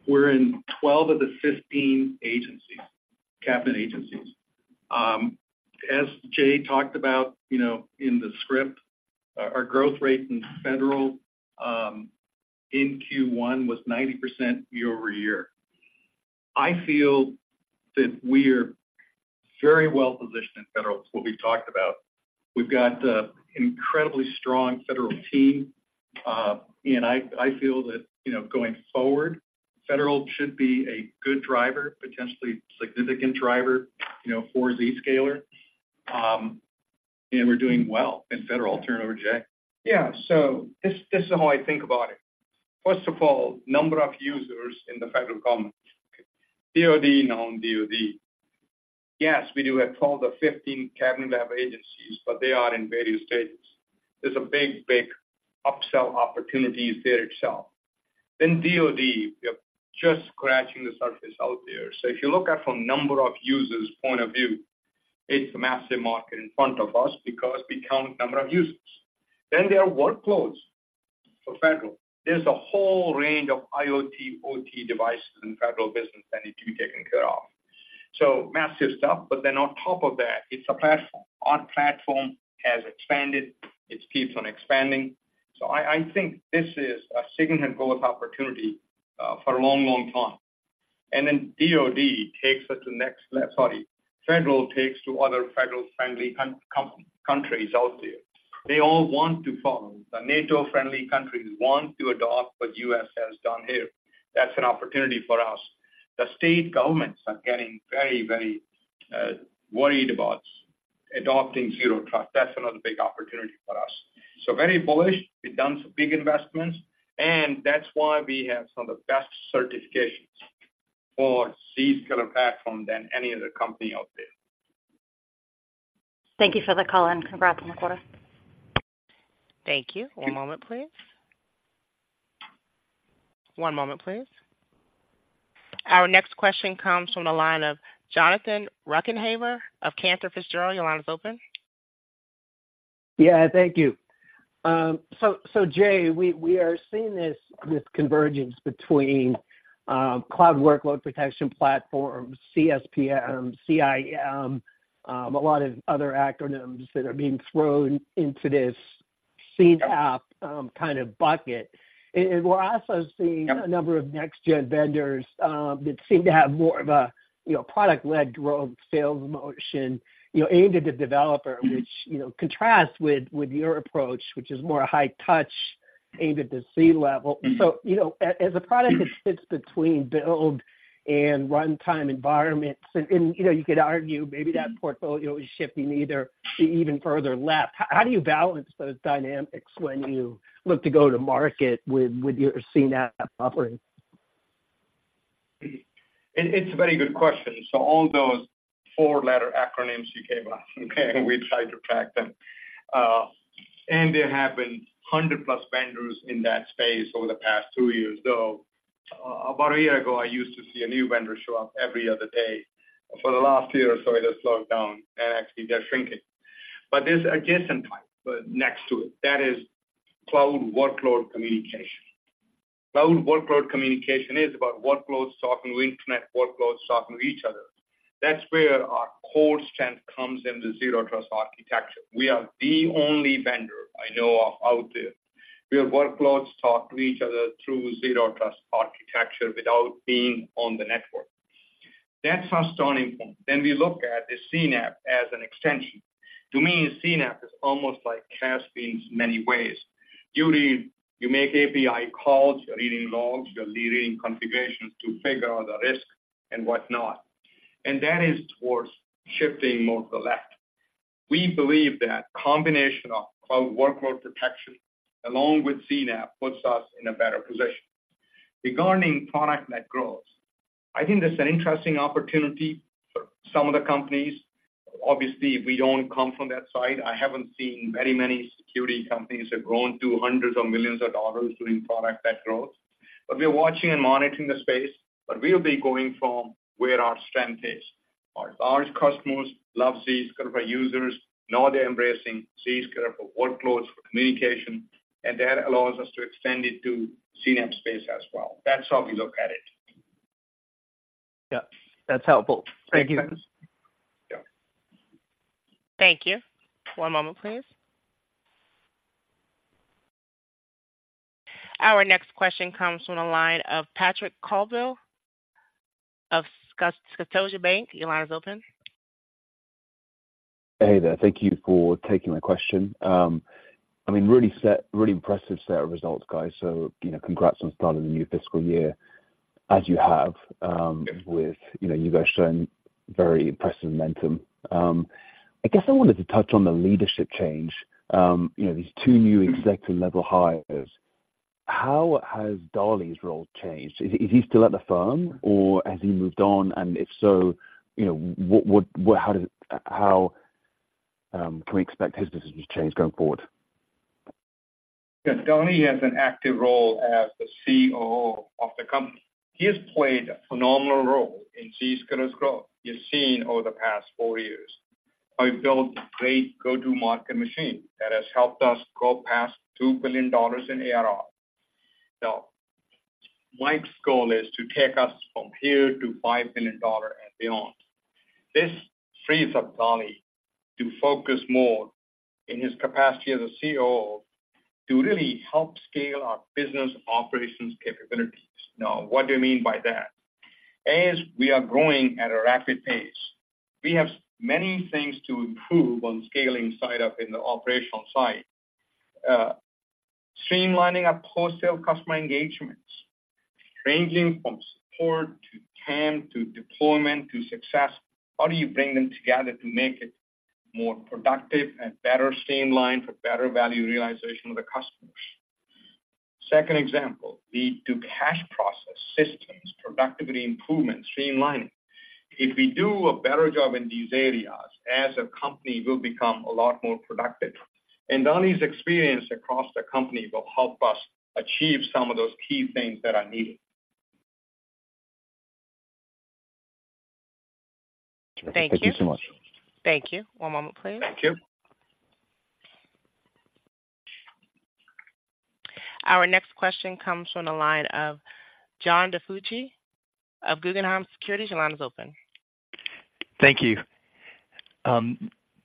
We're in 12 of the 15 agencies, cabinet agencies. As Jay talked about, you know, in the script, our growth rate in federal, in Q1 was 90% year-over-year. I feel that we are very well positioned in federal, what we've talked about. We've got incredibly strong federal team. And I, I feel that, you know, going forward, federal should be a good driver, potentially significant driver, you know, for Zscaler. And we're doing well in federal. I'll turn it over to Jay. Yeah. So this, this is how I think about it. First of all, number of users in the federal government, DOD, non-DOD. Yes, we do have 12 of 15 cabinet-level agencies, but they are in various stages. There's a big, big upsell opportunities there itself. Then DOD, we are just scratching the surface out there. So if you look at from number of users point of view, it's a massive market in front of us because we count number of users. Then there are workloads for federal. There's a whole range of IoT, OT devices in federal business that need to be taken care of. So massive stuff, but then on top of that, it's a platform. Our platform has expanded. It keeps on expanding. So I, I think this is a significant growth opportunity, for a long, long time. And then DOD takes us to next level—sorry, federal takes to other federal-friendly countries out there. They all want to follow. The NATO-friendly countries want to adopt what U.S. has done here. That's an opportunity for us. The state governments are getting very, very worried about adopting Zero Trust. That's another big opportunity for us. So very bullish. We've done some big investments, and that's why we have some of the best certifications for Zscaler platform than any other company out there. Thank you for the call, and congrats on the quarter. Thank you. One moment, please. One moment, please. Our next question comes from the line of Jonathan Ruykhaver of Cantor Fitzgerald. Your line is open. Yeah, thank you. So, Jay, we are seeing this convergence between cloud workload protection platforms, CSPM, CIEM, a lot of other acronyms that are being thrown into this CNAPP kind of bucket. And we're also seeing- Yep. A number of next-gen vendors that seem to have more of a, you know, product-led growth sales motion, you know, aimed at the developer, which, you know, contrasts with your approach, which is more a high touch, aimed at the C-level. So, you know, as a product that fits between build and runtime environments, and, you know, you could argue maybe that portfolio is shifting either even further left. How do you balance those dynamics when you look to go to market with your CNAPP offering? It's a very good question. So all those four-letter acronyms you came up, okay, we tried to track them. And there have been 100+ vendors in that space over the past two years, though, about a year ago, I used to see a new vendor show up every other day. For the last year or so, it has slowed down, and actually, they're shrinking. But there's adjacent type, next to it, that is cloud workload communication. Cloud workload communication is about workloads talking to internet, workloads talking to each other. That's where our core strength comes in, the Zero Trust architecture. We are the only vendor I know of out there, where workloads talk to each other through Zero Trust architecture without being on the network. That's our starting point. Then we look at the CNAPP as an extension. To me, CNAPP is almost like CSPM in many ways. You need—you make API calls, you're reading logs, you're reading configurations to figure out the risk and whatnot, and that is towards shifting more to the left. We believe that combination of cloud workload protection, along with CNAPP, puts us in a better position. Regarding product-led growth, I think there's an interesting opportunity for some of the companies. Obviously, we don't come from that side. I haven't seen very many security companies have grown to hundreds of millions of dollars doing product-led growth. But we are watching and monitoring the space, but we'll be going from where our strength is. Our large customers love Zscaler users, now they're embracing Zscaler for workloads, for communication, and that allows us to extend it to CNAPP space as well. That's how we look at it. Yep, that's helpful. Thank you. Yeah. Thank you. One moment, please. Our next question comes from the line of Patrick Colville of Scotiabank. Your line is open. Hey there. Thank you for taking my question. I mean, really impressive set of results, guys. So, you know, congrats on starting the new fiscal year, as you have, with, you know, you guys showing very impressive momentum. I guess I wanted to touch on the leadership change, you know, these two new executive-level hires. How has Dali's role changed? Is he still at the firm, or has he moved on? And if so, you know, what, how can we expect his business to change going forward? Dali has an active role as the COO of the company. He has played a phenomenal role in Zscaler's growth, you've seen over the past four years. We've built a great go-to-market machine that has helped us grow past $2 billion in ARR. Mike's goal is to take us from here to $5 billion and beyond. This frees up Dali to focus more in his capacity as a COO to really help scale our business operations capabilities. Now, what do you mean by that? As we are growing at a rapid pace, we have many things to improve on scaling side up in the operational side. Streamlining our post-sale customer engagements, ranging from support to TAM, to deployment, to success. How do you bring them together to make it more productive and better streamlined for better value realization of the customers? Second example, the lead-to-cash process systems, productivity improvement, streamlining. If we do a better job in these areas, as a company, we'll become a lot more productive, and Dali's experience across the company will help us achieve some of those key things that are needed. Thank you so much. Thank you. One moment, please. Thank you. Our next question comes from the line of John DiFucci of Guggenheim Securities. Your line is open. Thank you.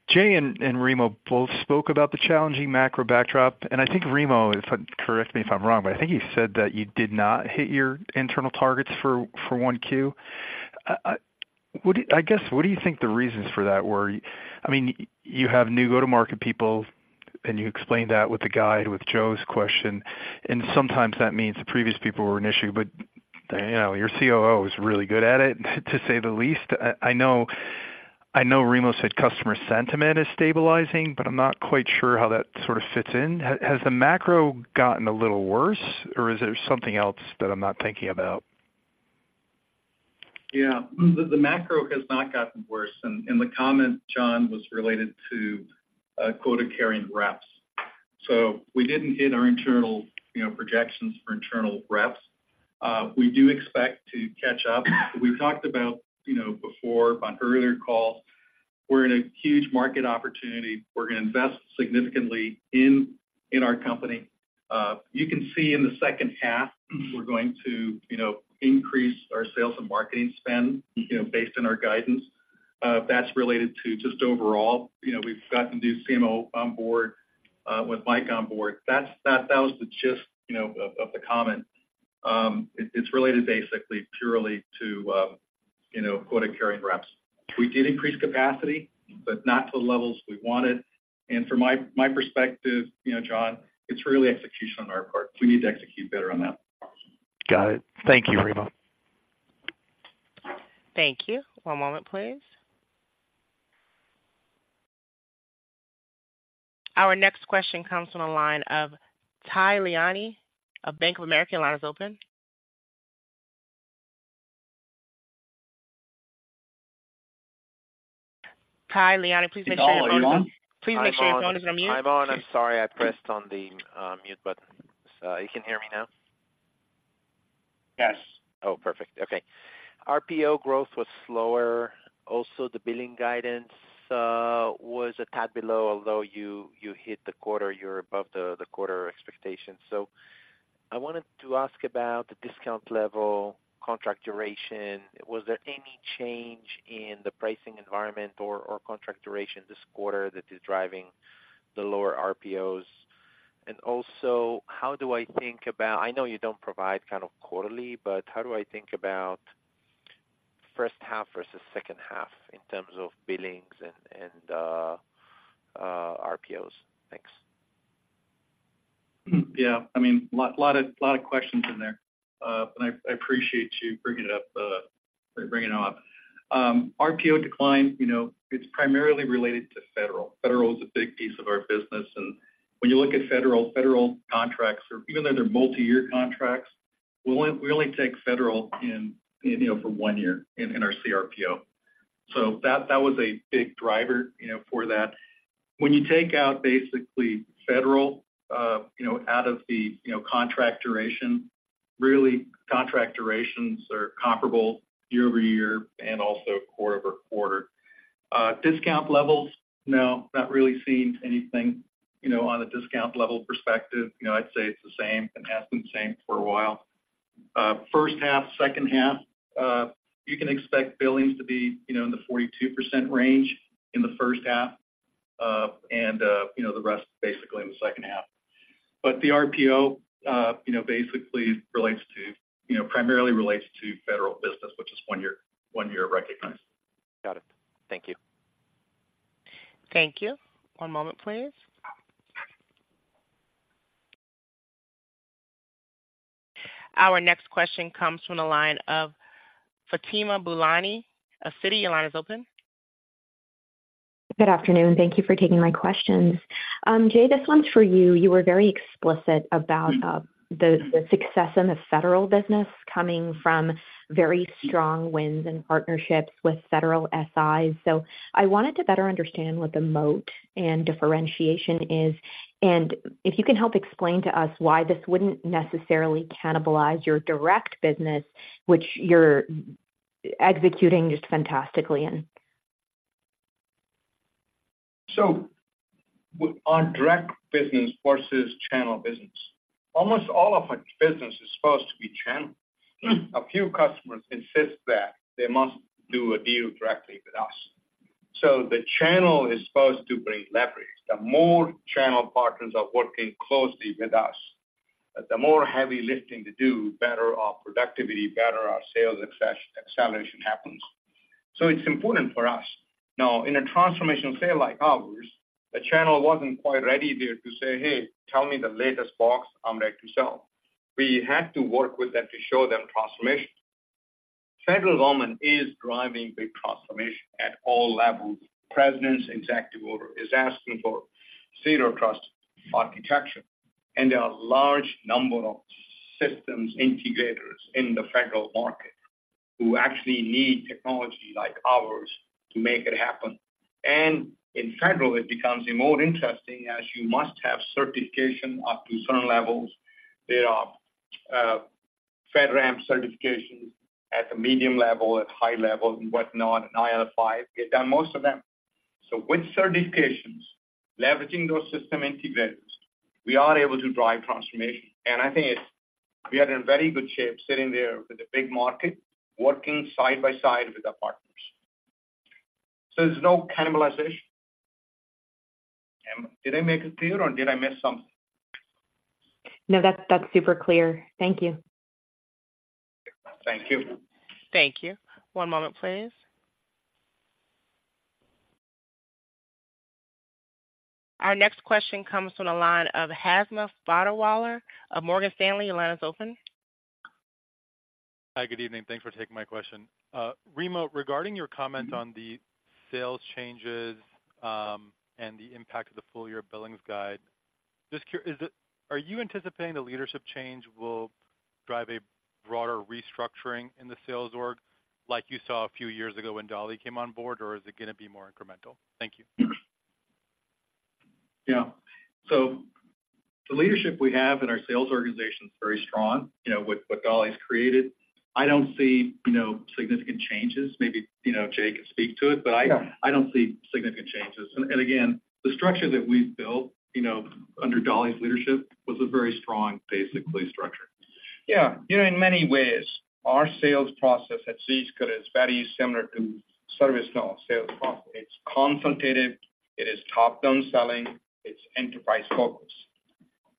Jay and Remo both spoke about the challenging macro backdrop, and I think, Remo, correct me if I'm wrong, but I think you said that you did not hit your internal targets for 1Q. What do, I guess, what do you think the reasons for that were? I mean, you have new go-to-market people, and you explained that with the guide, with Joe's question, and sometimes that means the previous people were an issue, but, you know, your COO is really good at it, to say the least. I know, I know Remo said customer sentiment is stabilizing, but I'm not quite sure how that sort of fits in. Has the macro gotten a little worse, or is there something else that I'm not thinking about? Yeah, the macro has not gotten worse, and the comment, John, was related to quota-carrying reps. So we didn't hit our internal, you know, projections for internal reps. We do expect to catch up. We've talked about, you know, before on earlier calls, we're in a huge market opportunity. We're gonna invest significantly in our company. You can see in the second half, we're going to, you know, increase our sales and marketing spend, you know, based on our guidance. That's related to just overall. You know, we've gotten new CMO on board with Mike on board. That was the gist, you know, of the comment. It's related basically purely to, you know, quota-carrying reps. We did increase capacity, but not to the levels we wanted. From my perspective, you know, John, it's really execution on our part. We need to execute better on that. Got it. Thank you, Remo. Thank you. One moment, please. Our next question comes from the line of Tal Liani of Bank of America. Your line is open. Tal Liani, please make sure your phone— Hello, are you on? Please make sure your phone isn't on mute. I'm on. I'm sorry, I pressed on the mute button. So you can hear me now? Yes. Oh, perfect. Okay. RPO growth was slower. Also, the billing guidance was a tad below, although you hit the quarter, you're above the quarter expectations. So I wanted to ask about the discount level, contract duration. Was there any change in the pricing environment or contract duration this quarter that is driving the lower RPOs? And also, how do I think about—I know you don't provide kind of quarterly, but how do I think about first half versus second half in terms of billings and RPOs? Thanks. Yeah. I mean, a lot of questions in there. And I appreciate you bringing it up. RPO decline, you know, it's primarily related to federal. Federal is a big piece of our business, and when you look at federal contracts, even though they're multi-year contracts, we only take federal in, you know, for one year in our CRPO. So that was a big driver, you know, for that. When you take out basically federal, you know, out of the contract duration, really, contract durations are comparable year-over-year and also quarter-over-quarter. Discount levels, no, not really seeing anything, you know, on a discount level perspective. You know, I'd say it's the same and has been the same for a while. First half, second half, you can expect billings to be, you know, in the 42% range in the first half, and, you know, the rest basically in the second half. But the RPO, you know, basically relates to, you know, primarily relates to federal business, which is one year, one year recognized. Got it. Thank you. Thank you. One moment, please. Our next question comes from the line of Fatima Boolani of Citi. Your line is open. Good afternoon. Thank you for taking my questions. Jay, this one's for you. You were very explicit about, the success in the federal business coming from very strong wins and partnerships with federal SIs. So I wanted to better understand what the moat and differentiation is, and if you can help explain to us why this wouldn't necessarily cannibalize your direct business, which you're executing just fantastically in. So on direct business versus channel business, almost all of our business is supposed to be channel. A few customers insist that they must do a deal directly with us. So the channel is supposed to bring leverage. The more channel partners are working closely with us, the more heavy lifting to do, better our productivity, better our sales access, acceleration happens. So it's important for us. Now, in a transformational sale like ours, the channel wasn't quite ready there to say, "Hey, tell me the latest box I'm ready to sell." We had to work with them to show them transformation. Federal government is driving big transformation at all levels. President's executive order is asking for Zero Trust architecture, and there are a large number of systems integrators in the federal market who actually need technology like ours to make it happen. And in federal, it becomes more interesting as you must have certification up to certain levels. There are, FedRAMP certifications at the medium level, at high level and whatnot, and IL5. We've done most of them. So with certifications, leveraging those system integrators, we are able to drive transformation. And I think it's, we are in very good shape sitting there with a big market, working side by side with our partners. So there's no cannibalization. Did I make it clear, or did I miss something? No, that's super clear. Thank you. Thank you. Thank you. One moment, please. Our next question comes from the line of Hamza Fodderwala of Morgan Stanley. Your line is open. Hi, good evening. Thanks for taking my question. Remo, regarding your comment on the sales changes, and the impact of the full-year billings guide, just, is it, are you anticipating the leadership change will drive a broader restructuring in the sales org like you saw a few years ago when Dali came on board, or is it gonna be more incremental? Thank you. Yeah. So the leadership we have in our sales organization is very strong, you know, with what Dali's created. I don't see, you know, significant changes. Maybe, you know, Jay can speak to it, but I— Yeah. I don't see significant changes. And again, the structure that we've built, you know, under Dali's leadership was a very strong, basically, structure. Yeah. You know, in many ways, our sales process at Zscaler is very similar to ServiceNow sales process. It's consultative, it is top-down selling, it's enterprise focused.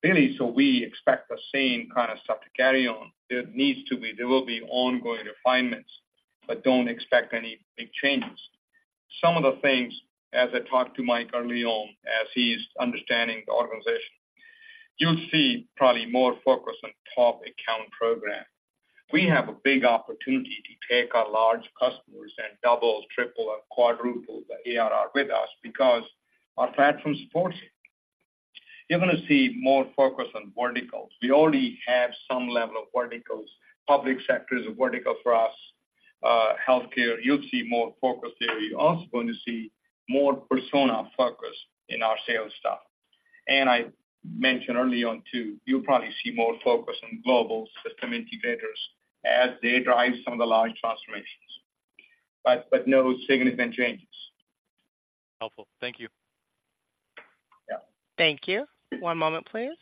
Really, so we expect the same kind of stuff to carry on. There needs to be—there will be ongoing refinements, but don't expect any big changes. Some of the things, as I talked to Mike early on, as he's understanding the organization, you'll see probably more focus on top account program. We have a big opportunity to take our large customers and double, triple, and quadruple the ARR with us because our platform supports it. You're gonna see more focus on verticals. We already have some level of verticals. Public sector is a vertical for us, healthcare. You'll see more focus there. You're also going to see more persona focus in our sales stuff. I mentioned early on, too, you'll probably see more focus on global system integrators as they drive some of the large transformations, but, but no significant changes. Helpful. Thank you. Yeah. Thank you. One moment, please.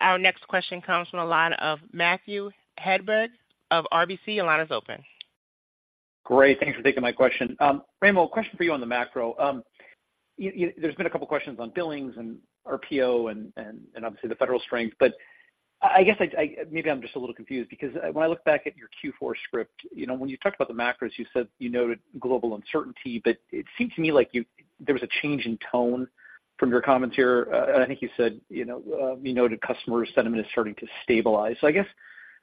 Our next question comes from the line of Matthew Hedberg of RBC. Your line is open. Great, thanks for taking my question. Remo, a question for you on the macro. You, there's been a couple of questions on billings and RPO and obviously the federal strength, but I guess I maybe I'm just a little confused because when I look back at your Q4 script, you know, when you talked about the macros, you said you noted global uncertainty, but it seemed to me like you—there was a change in tone from your comments here. I think you said, you know, you noted customer sentiment is starting to stabilize. So I guess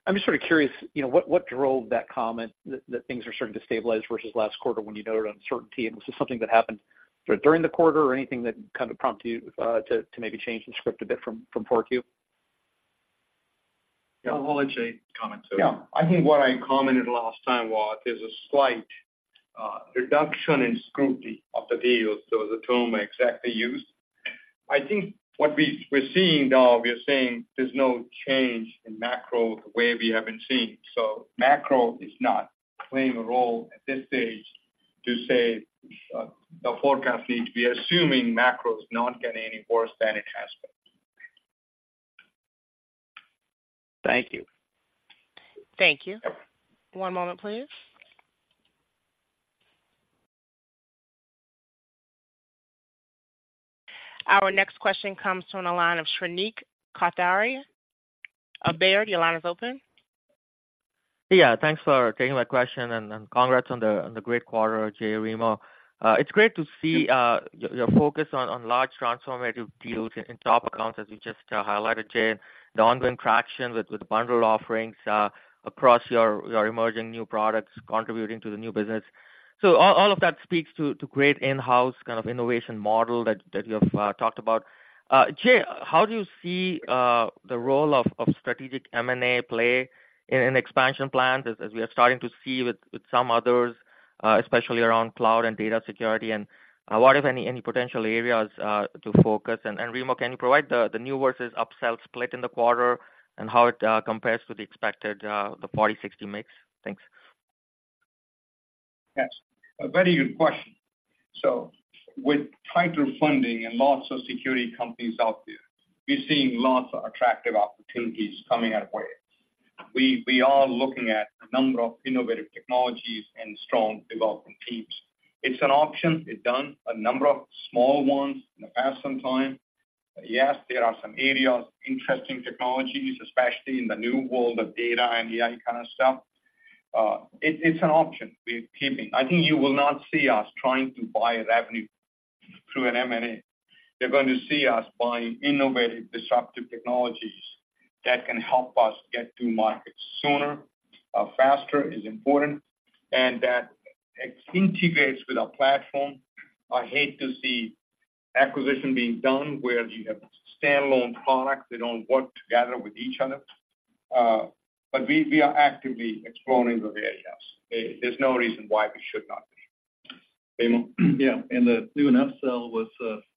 I'm just sort of curious, you know, what drove that comment that things are starting to stabilize versus last quarter when you noted uncertainty? Was this something that happened during the quarter or anything that kind of prompted you to maybe change the script a bit from 4Q? Yeah. I'll let Jay comment too. Yeah. I think what I commented last time was, there's a slight reduction in scrutiny of the deals. So the term I exactly used. I think what we're seeing now, we are saying there's no change in macro the way we have been seeing. So macro is not playing a role at this stage to say, the forecast needs to be assuming macro is not getting any worse than it has been. Thank you. Thank you. One moment, please. Our next question comes from the line of Shrenik Kothari of Baird. The line is open. Yeah, thanks for taking my question, and congrats on the great quarter, Jay, Remo. It's great to see your focus on large transformative deals in top accounts, as you just highlighted, Jay. The ongoing traction with the bundle offerings across your emerging new products, contributing to the new business. So all of that speaks to great in-house kind of innovation model that you have talked about. Jay, how do you see the role of strategic M&A play in an expansion plan, as we are starting to see with some others? Especially around cloud and data security, and what, if any, potential areas to focus? Remo, can you provide the new versus upsell split in the quarter and how it compares to the expected 40/60 mix? Thanks. Yes, a very good question. So with tighter funding and lots of security companies out there, we're seeing lots of attractive opportunities coming our way. We are looking at a number of innovative technologies and strong developing teams. It's an option. We've done a number of small ones in the past some time. Yes, there are some areas, interesting technologies, especially in the new world of data and AI kind of stuff. It's an option we're keeping. I think you will not see us trying to buy revenue through an M&A. You're going to see us buying innovative, disruptive technologies that can help us get to market sooner, faster is important, and that integrates with our platform. I hate to see acquisition being done where you have standalone products that don't work together with each other, but we are actively exploring the various. There's no reason why we should not be. Remo? Yeah, and the new and upsell was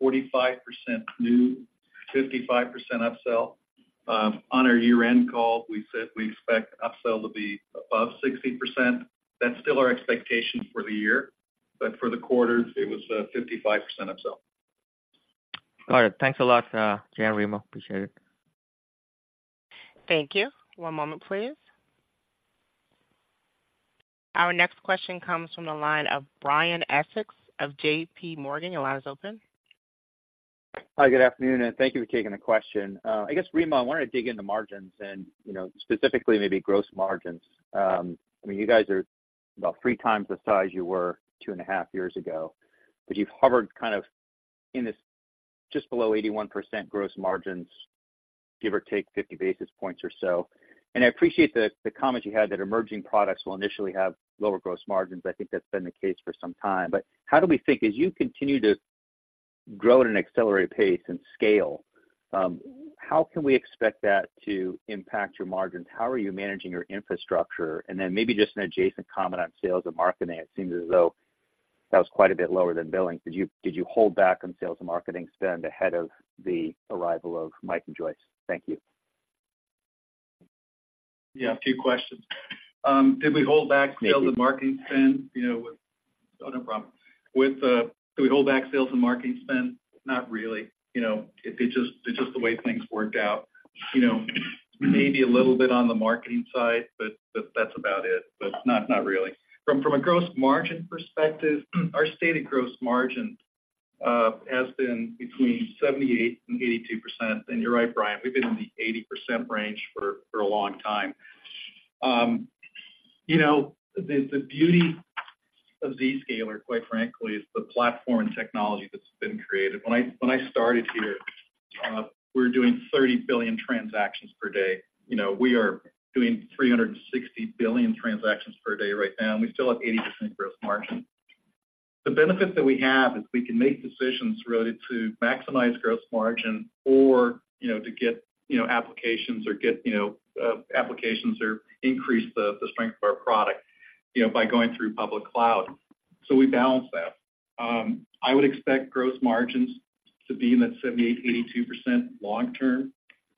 45% new, 55% upsell. On our year-end call, we said we expect upsell to be above 60%. That's still our expectation for the year, but for the quarter, it was 55% upsell. All right. Thanks a lot, Jay and Remo. Appreciate it. Thank you. One moment, please. Our next question comes from the line of Brian Essex of JPMorgan. Your line is open. Hi, good afternoon, and thank you for taking the question. I guess, Remo, I wanted to dig into margins and, you know, specifically, maybe gross margins. I mean, you guys are about three times the size you were two and a half years ago, but you've hovered kind of in this just below 81% gross margins, give or take 50 basis points or so. And I appreciate the, the comment you had that emerging products will initially have lower gross margins. I think that's been the case for some time. But how do we think, as you continue to grow at an accelerated pace and scale, how can we expect that to impact your margins? How are you managing your infrastructure? And then maybe just an adjacent comment on sales and marketing. It seems as though that was quite a bit lower than billing. Did you, did you hold back on sales and marketing spend ahead of the arrival of Mike and Joyce? Thank you. Yeah, a few questions. Did we hold back— Yeah. Sales and marketing spend? You know, oh, no problem. With, did we hold back sales and marketing spend? Not really. You know, it, it just, it's just the way things worked out. You know, maybe a little bit on the marketing side, but, but that's about it. But not, not really. From, from a gross margin perspective, our stated gross margin has been between 78% and 82%. And you're right, Brian, we've been in the 80% range for, for a long time. You know, the, the beauty of Zscaler, quite frankly, is the platform technology that's been created. When I, when I started here, we were doing 30 billion transactions per day. You know, we are doing 360 billion transactions per day right now, and we still have 80% gross margin. The benefit that we have is we can make decisions related to maximize gross margin or, you know, to get applications or increase the strength of our product, you know, by going through public cloud. So we balance that. I would expect gross margins to be in that 78%-82% long term.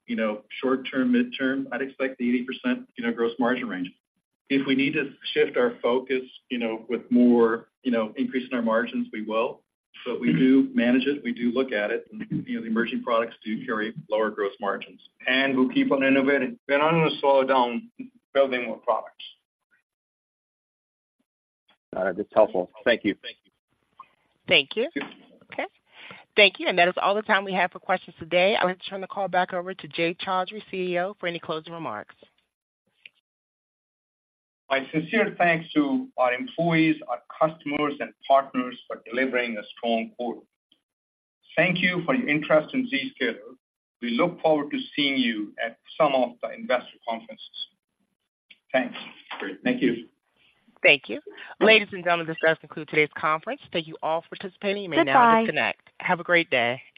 You know, short term, midterm, I'd expect the 80% gross margin range. If we need to shift our focus, you know, with more increase in our margins, we will. But we do manage it, we do look at it, and, you know, the emerging products do carry lower gross margins. We'll keep on innovating. We're not going to slow down building more products. All right. That's helpful. Thank you. Thank you. Okay. Thank you, and that is all the time we have for questions today. I want to turn the call back over to Jay Chaudhry, CEO, for any closing remarks. My sincere thanks to our employees, our customers, and partners for delivering a strong quarter. Thank you for your interest in Zscaler. We look forward to seeing you at some of the investor conferences. Thanks. Great. Thank you. Thank you. Ladies and gentlemen, this does conclude today's conference. Thank you all for participating. You may now disconnect. Have a great day.